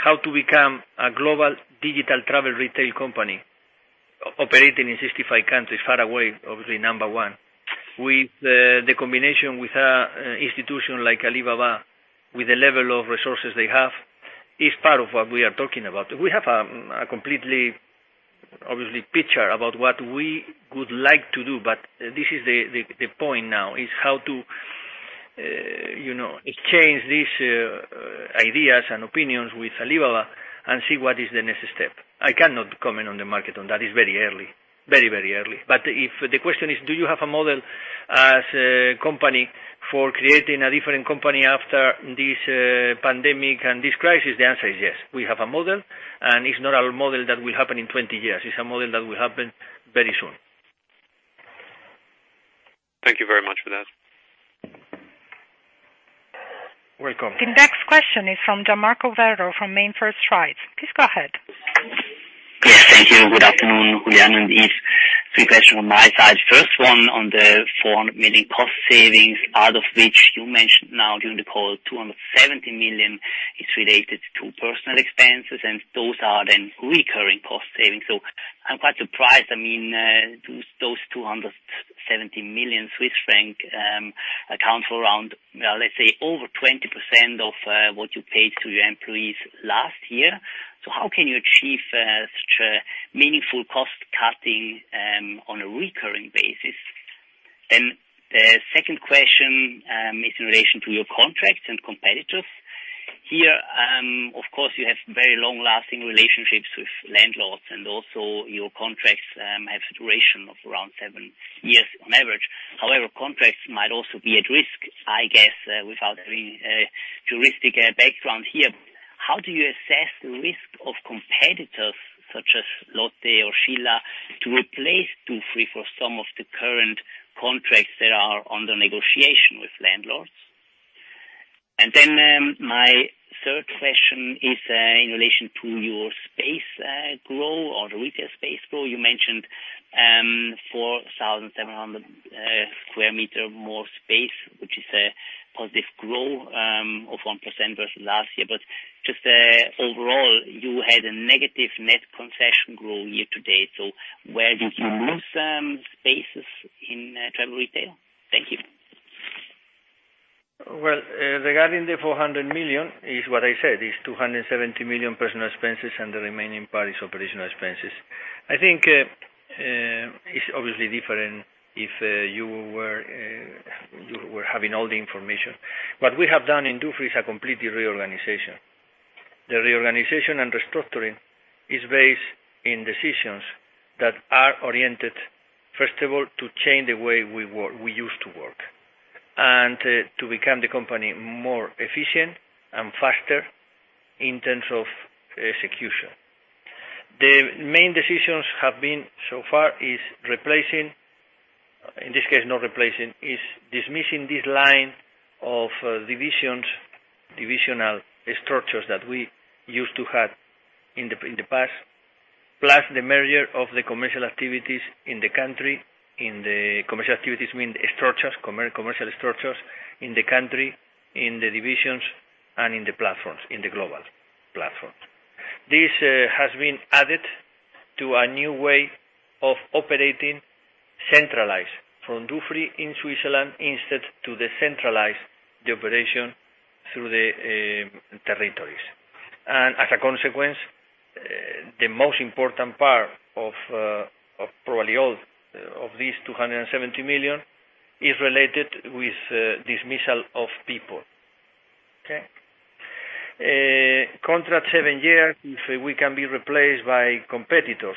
How to become a global digital travel retail company operating in 65 countries far away, obviously number one. With the combination with an institution like Alibaba, with the level of resources they have, is part of what we are talking about. We have a completely, obviously, picture about what we would like to do, but this is the point now, is how to exchange these ideas and opinions with Alibaba and see what is the next step. I cannot comment on the market on that. It's very early. Very early. If the question is, do you have a model as a company for creating a different company after this pandemic and this crisis? The answer is yes. We have a model, and it's not a model that will happen in 20 years. It's a model that will happen very soon. Thank you very much for that. Welcome. The next question is from Gian Marco Werro from MainFirst. Please go ahead. Thank you. Good afternoon, Julián and Yves. Three questions on my side. First one on the 400 million cost savings, out of which you mentioned now during the call, 270 million is related to personal expenses, and those are then recurring cost savings. I'm quite surprised, those 270 million Swiss francs account for around, let's say, over 20% of what you paid to your employees last year. How can you achieve such a meaningful cost-cutting on a recurring basis? The second question is in relation to your contracts and competitors. Here, of course, you have very long-lasting relationships with landlords, and also your contracts have duration of around seven years on average. Contracts might also be at risk, I guess, without any juristic background here. How do you assess the risk of competitors such as Lotte or Shilla to replace Dufry for some of the current contracts that are under negotiation with landlords? My third question is in relation to your space growth or the retail space growth. You mentioned 4,700 sq m more space, which is a positive growth of 1% versus last year. Just overall, you had a negative net concession growth year-to-date. Where did you lose some spaces in travel retail? Thank you. Well, regarding the 400 million, is what I said, is 270 million personal expenses and the remaining part is operational expenses. I think it's obviously different if you were having all the information. What we have done in Dufry is a complete reorganization. The reorganization and restructuring is based in decisions that are oriented, first of all, to change the way we used to work, and to become the company more efficient and faster in terms of execution. The main decisions have been so far is In this case, not replacing is dismissing this line of divisional structures that we used to have in the past, plus the merger of the commercial activities in the country, commercial activities mean commercial structures in the country, in the divisions, and in the platforms, in the global platforms. This has been added to a new way of operating centralized from Dufry in Switzerland, instead to decentralize the operation through the territories. As a consequence, the most important part of probably all of these 270 million is related with dismissal of people. Okay. Contract seven years, if we can be replaced by competitors.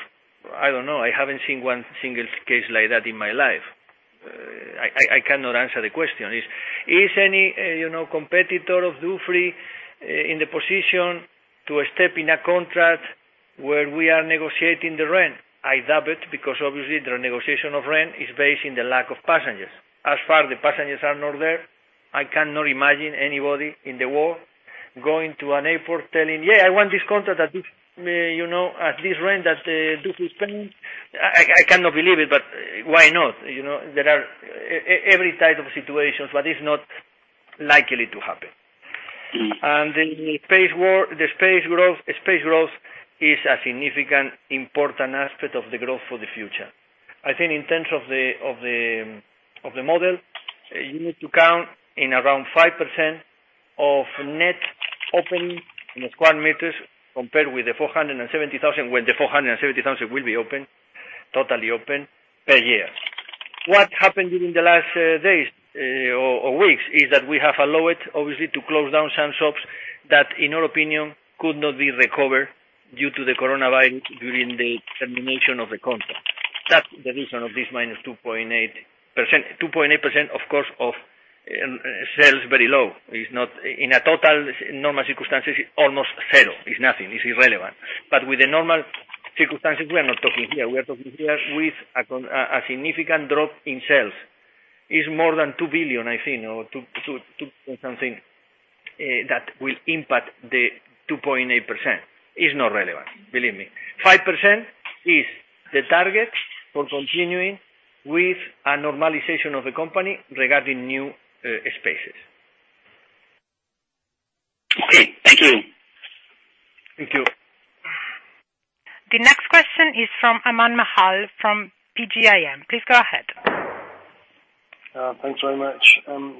I don't know. I haven't seen one single case like that in my life. I cannot answer the question. Is any competitor of Dufry in the position to a step in a contract where we are negotiating the rent? I doubt it, because obviously, the negotiation of rent is based on the lack of passengers. As far the passengers are not there, I cannot imagine anybody in the world going to an airport telling, "Yeah, I want this contract at this rent that Dufry is paying." I cannot believe it. Why not? There are every type of situations, it's not likely to happen. The space growth is a significant important aspect of the growth for the future. I think in terms of the model, you need to count in around 5% of net opening in square metres compared with the 470,000, when the 470,000 will be totally open per year. What happened during the last days or weeks is that we have allowed, obviously, to close down some shops that, in our opinion, could not be recovered due to the coronavirus during the termination of the contract. That's the reason of this -2.8%. 2.8%, of course, of sales, very low. In a total normal circumstances, almost zero. It's nothing. It's irrelevant. With the normal circumstances, we are not talking here. We are talking here with a significant drop in sales, is more than 2 billion, I think, or two point something, that will impact the 2.8%. Is not relevant, believe me. 5% is the target for continuing with a normalization of the company regarding new spaces. Okay. Thank you. Thank you. The next question is from Aman Mahal from PGIM. Please go ahead. Thanks very much.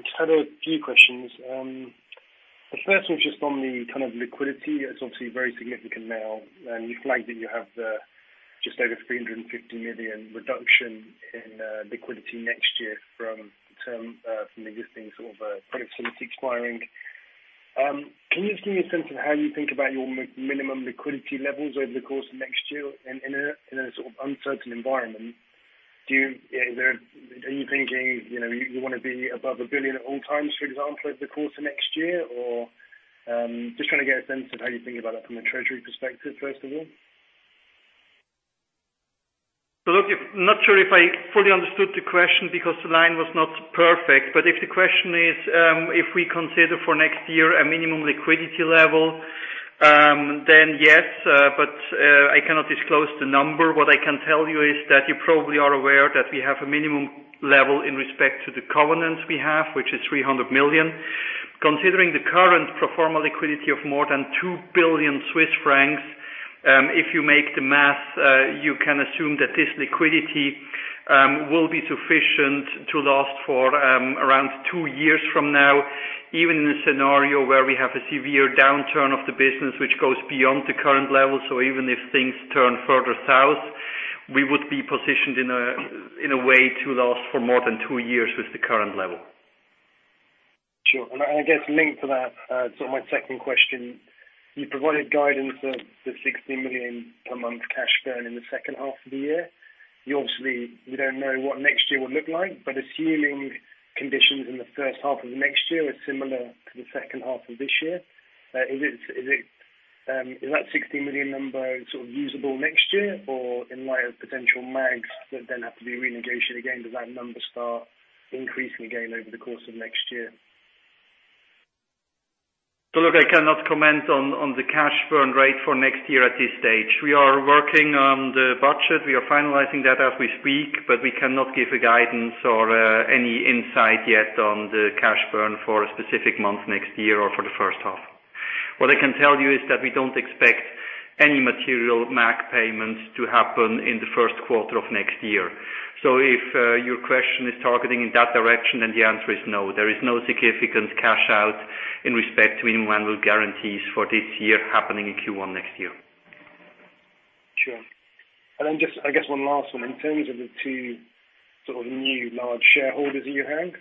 Just had a few questions. The first one's just on the kind of liquidity that is obviously very significant now. You flagged that you have just over 350 million reduction in liquidity next year from the existing sort of credit facility expiring. Can you just give me a sense of how you think about your minimum liquidity levels over the course of next year in a sort of uncertain environment? Are you thinking you want to be above 1 billion at all times, for example, over the course of next year? Just trying to get a sense of how you think about that from a treasury perspective, first of all. Look, I'm not sure if I fully understood the question because the line was not perfect, but if the question is, if we consider for next year a minimum liquidity level, then yes, but I cannot disclose the number. What I can tell you is that you probably are aware that we have a minimum level in respect to the covenants we have, which is 300 million. Considering the current pro forma liquidity of more than 2 billion Swiss francs, if you make the math, you can assume that this liquidity will be sufficient to last for around two years from now, even in a scenario where we have a severe downturn of the business, which goes beyond the current level. Even if things turn further south, we would be positioned in a way to last for more than two years with the current level. Sure. I guess linked to that, my second question. You provided guidance of the 60 million per month cash burn in the second half of the year. Obviously, we don't know what next year will look like, but assuming conditions in the first half of next year are similar to the second half of this year, is that 60 million number usable next year? In light of potential MAGs that then have to be renegotiated again, does that number start increasing again over the course of next year? Look, I cannot comment on the cash burn rate for next year at this stage. We are working on the budget. We are finalizing that as we speak, but we cannot give a guidance or any insight yet on the cash burn for a specific month next year or for the first half. What I can tell you is that we don't expect any material MAG payments to happen in the first quarter of next year. If your question is targeting in that direction, then the answer is no. There is no significant cash out in respect to any annual guarantees for this year happening in Q1 next year. Sure. Just, I guess one last one. In terms of the two new large shareholders that you have,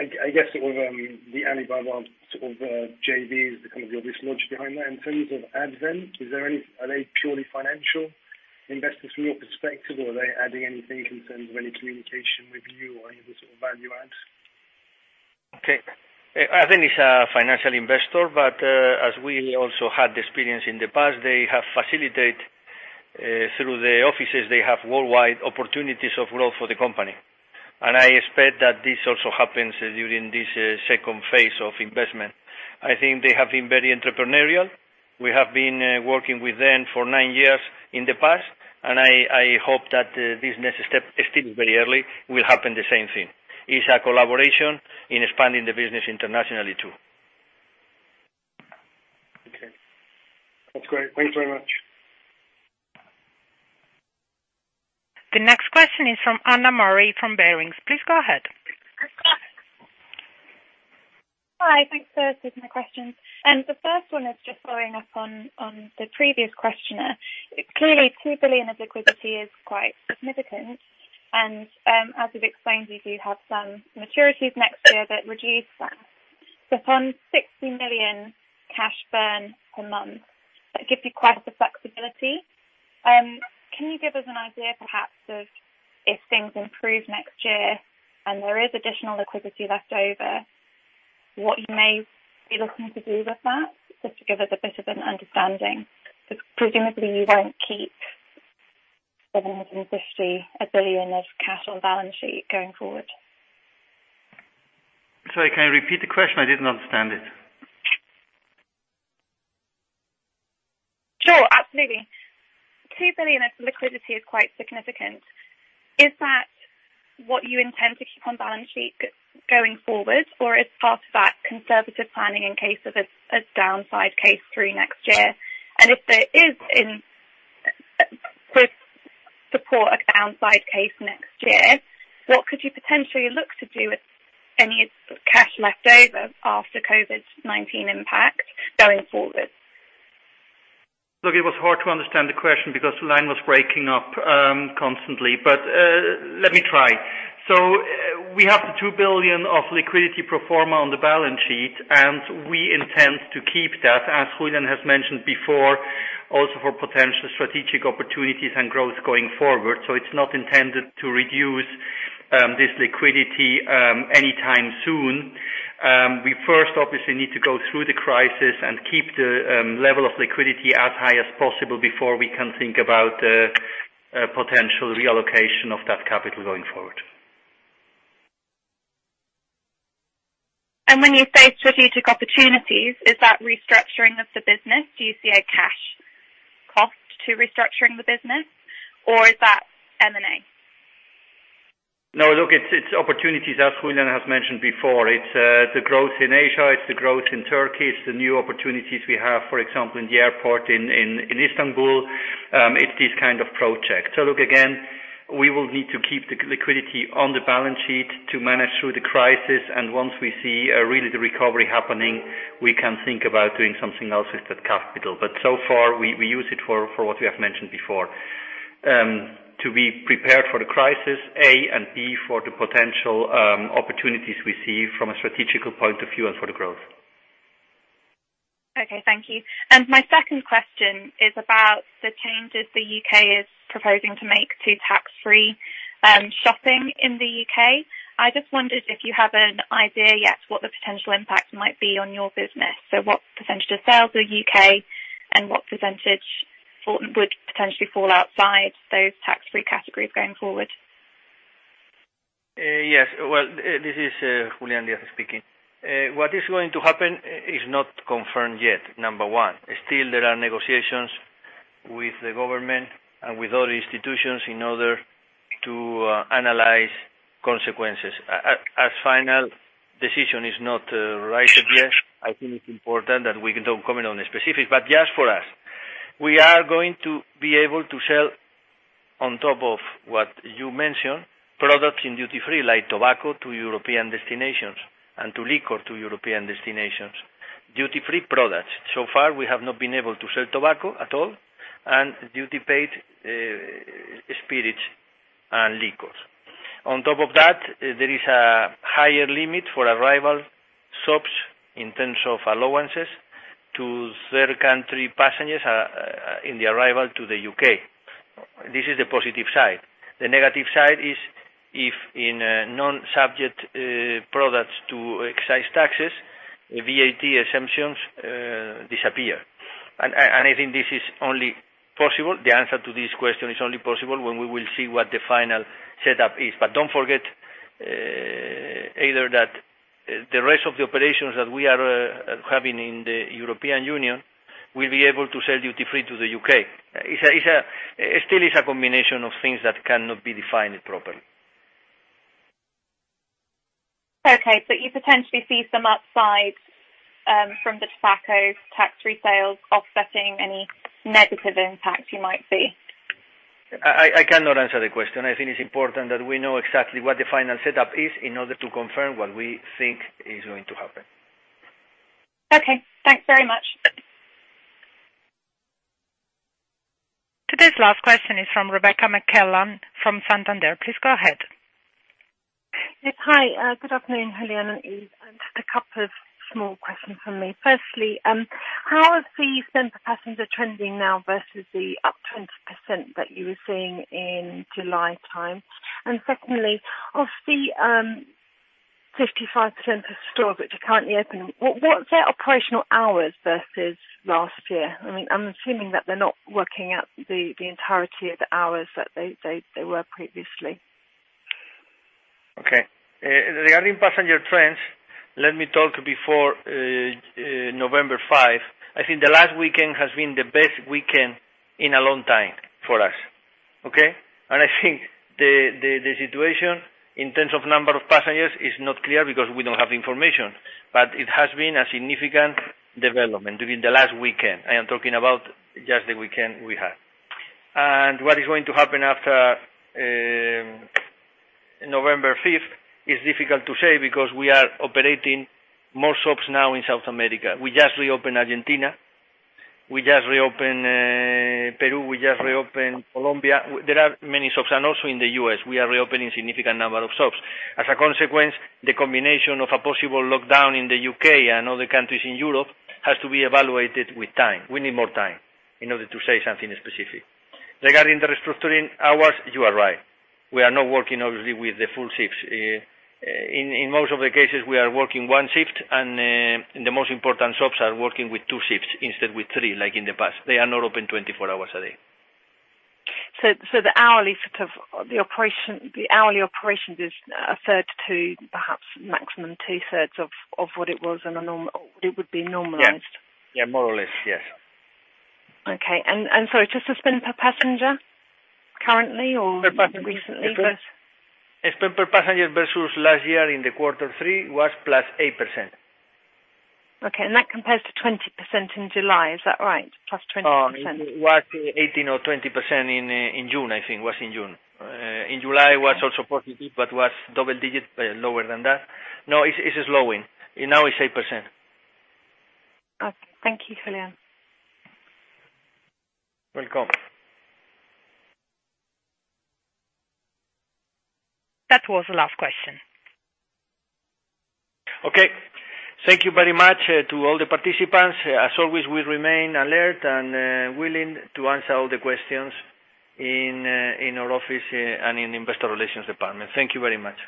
I guess the Alibaba JV is the obvious logic behind that. In terms of Advent, are they purely financial investors from your perspective, or are they adding anything in terms of any communication with you or any other sort of value add? Okay. I think it's a financial investor, but as we also had the experience in the past, they have facilitate through the offices they have worldwide opportunities of growth for the company. I expect that this also happens during this second phase of investment. I think they have been very entrepreneurial. We have been working with them for nine years in the past, and I hope that this next step, still very early, will happen the same thing. It's a collaboration in expanding the business internationally, too. Okay. That's great. Thanks very much. The next question is from Anna Murray from Barings. Please go ahead. Hi. Thanks for taking the questions. The first one is just following up on the previous questioner. Clearly, 2 billion of liquidity is quite significant and, as you've explained, you do have some maturities next year that reduce that. But on 60 million cash burn per month, that gives you quite the flexibility. Can you give us an idea, perhaps, of if things improve next year and there is additional liquidity left over, what you may be looking to do with that, just to give us a bit of an understanding? Because presumably, you won't keep 2 billion of cash on balance sheet going forward. Sorry, can I repeat the question? I didn't understand it. Sure. Absolutely. 2 billion of liquidity is quite significant. Is that what you intend to keep on balance sheet going forward, or is part of that conservative planning in case of a downside case through next year? If there is support a downside case next year, what could you potentially look to do with any cash left over after COVID-19 impact going forward? Look, it was hard to understand the question because the line was breaking up constantly. Let me try. We have the 2 billion of liquidity pro forma on the balance sheet, and we intend to keep that, as Julian has mentioned before, also for potential strategic opportunities and growth going forward. It's not intended to reduce this liquidity anytime soon. We first, obviously, need to go through the crisis and keep the level of liquidity as high as possible before we can think about potential reallocation of that capital going forward. When you say strategic opportunities, is that restructuring of the business? Do you see a cash cost to restructuring the business, or is that M&A? No, look, it's opportunities as Julián has mentioned before. It's the growth in Asia, it's the growth in Turkey, it's the new opportunities we have, for example, in the airport in Istanbul. It's this kind of project. Look, again, we will need to keep the liquidity on the balance sheet to manage through the crisis, and once we see really the recovery happening, we can think about doing something else with that capital. So far, we use it for what we have mentioned before, to be prepared for the crisis, A, and B, for the potential opportunities we see from a strategic point of view and for the growth. Okay, thank you. My second question is about the changes the U.K. is proposing to make to tax-free shopping in the U.K. I just wondered if you have an idea yet what the potential impact might be on your business. What percentage of sales are U.K. and what percentage would potentially fall outside those tax-free categories going forward? Yes. Well, this is Julián Díaz speaking. What is going to happen is not confirmed yet, number one. Still, there are negotiations with the government and with other institutions in order to analyze consequences. As final decision is not right, [inaudible] I think it's important that we don't comment on the specifics, but just for us. We are going to be able to sell on top of what you mentioned, products in duty free, like tobacco to European destinations and to liquor to European destinations. Duty free products. So far, we have not been able to sell tobacco at all and duty paid spirits and liquors. On top of that, there is a higher limit for arrival shops in terms of allowances to third country passengers in the arrival to the U.K. This is the positive side. The negative side is if in non-subject products to excise taxes, VAT exemptions disappear. I think this is only possible, the answer to this question is only possible when we will see what the final setup is. Don't forget either that the rest of the operations that we are having in the European Union will be able to sell duty free to the U.K. It still is a combination of things that cannot be defined properly. Okay. You potentially see some upsides from the tobacco tax-free sales offsetting any negative impacts you might see? I cannot answer the question. I think it's important that we know exactly what the final setup is in order to confirm what we think is going to happen. Okay. Thanks very much. Today's last question is from Rebecca McClellan from Santander. Please go ahead. Yes. Hi. Good afternoon, Julian and Yves. Just a couple of small questions from me. Firstly, how is the spend per passenger trending now versus the up 20% that you were seeing in July time? Secondly, of the 55% of stores which are currently open, what's their operational hours versus last year? I'm assuming that they're not working out the entirety of the hours that they were previously. Okay. Regarding passenger trends, let me talk before November 5. I think the last weekend has been the best weekend in a long time for us. Okay. I think the situation in terms of number of passengers is not clear because we don't have information, but it has been a significant development during the last weekend. I am talking about just the weekend we had. What is going to happen after November 5th is difficult to say because we are operating more shops now in South America. We just reopened Argentina. We just reopened Peru. We just reopened Colombia. There are many shops, and also in the U.S., we are reopening significant number of shops. As a consequence, the combination of a possible lockdown in the U.K. and other countries in Europe has to be evaluated with time. We need more time in order to say something specific. Regarding the restructuring hours, you are right. We are not working obviously with the full shifts. In most of the cases, we are working one shift and the most important shops are working with two shifts instead with three like in the past. They are not open 24 hours a day. The hourly operations is a third to perhaps maximum two-thirds of what it would be normalized? Yeah. More or less, yes. Okay. Sorry, just the spend per passenger currently or recently versus? Spend per passenger versus last year in the quarter three was +8%. Okay. That compares to 20% in July, is that right? +20%. No. It was 18% or 20% in June, I think it was in June. In July, it was also positive but was double-digit, lower than that. No, it's slowing. Now it's 8%. Okay. Thank you, Julián. Welcome. That was the last question. Okay. Thank you very much to all the participants. As always, we remain alert and willing to answer all the questions in our office and in Investor Relations Department. Thank you very much.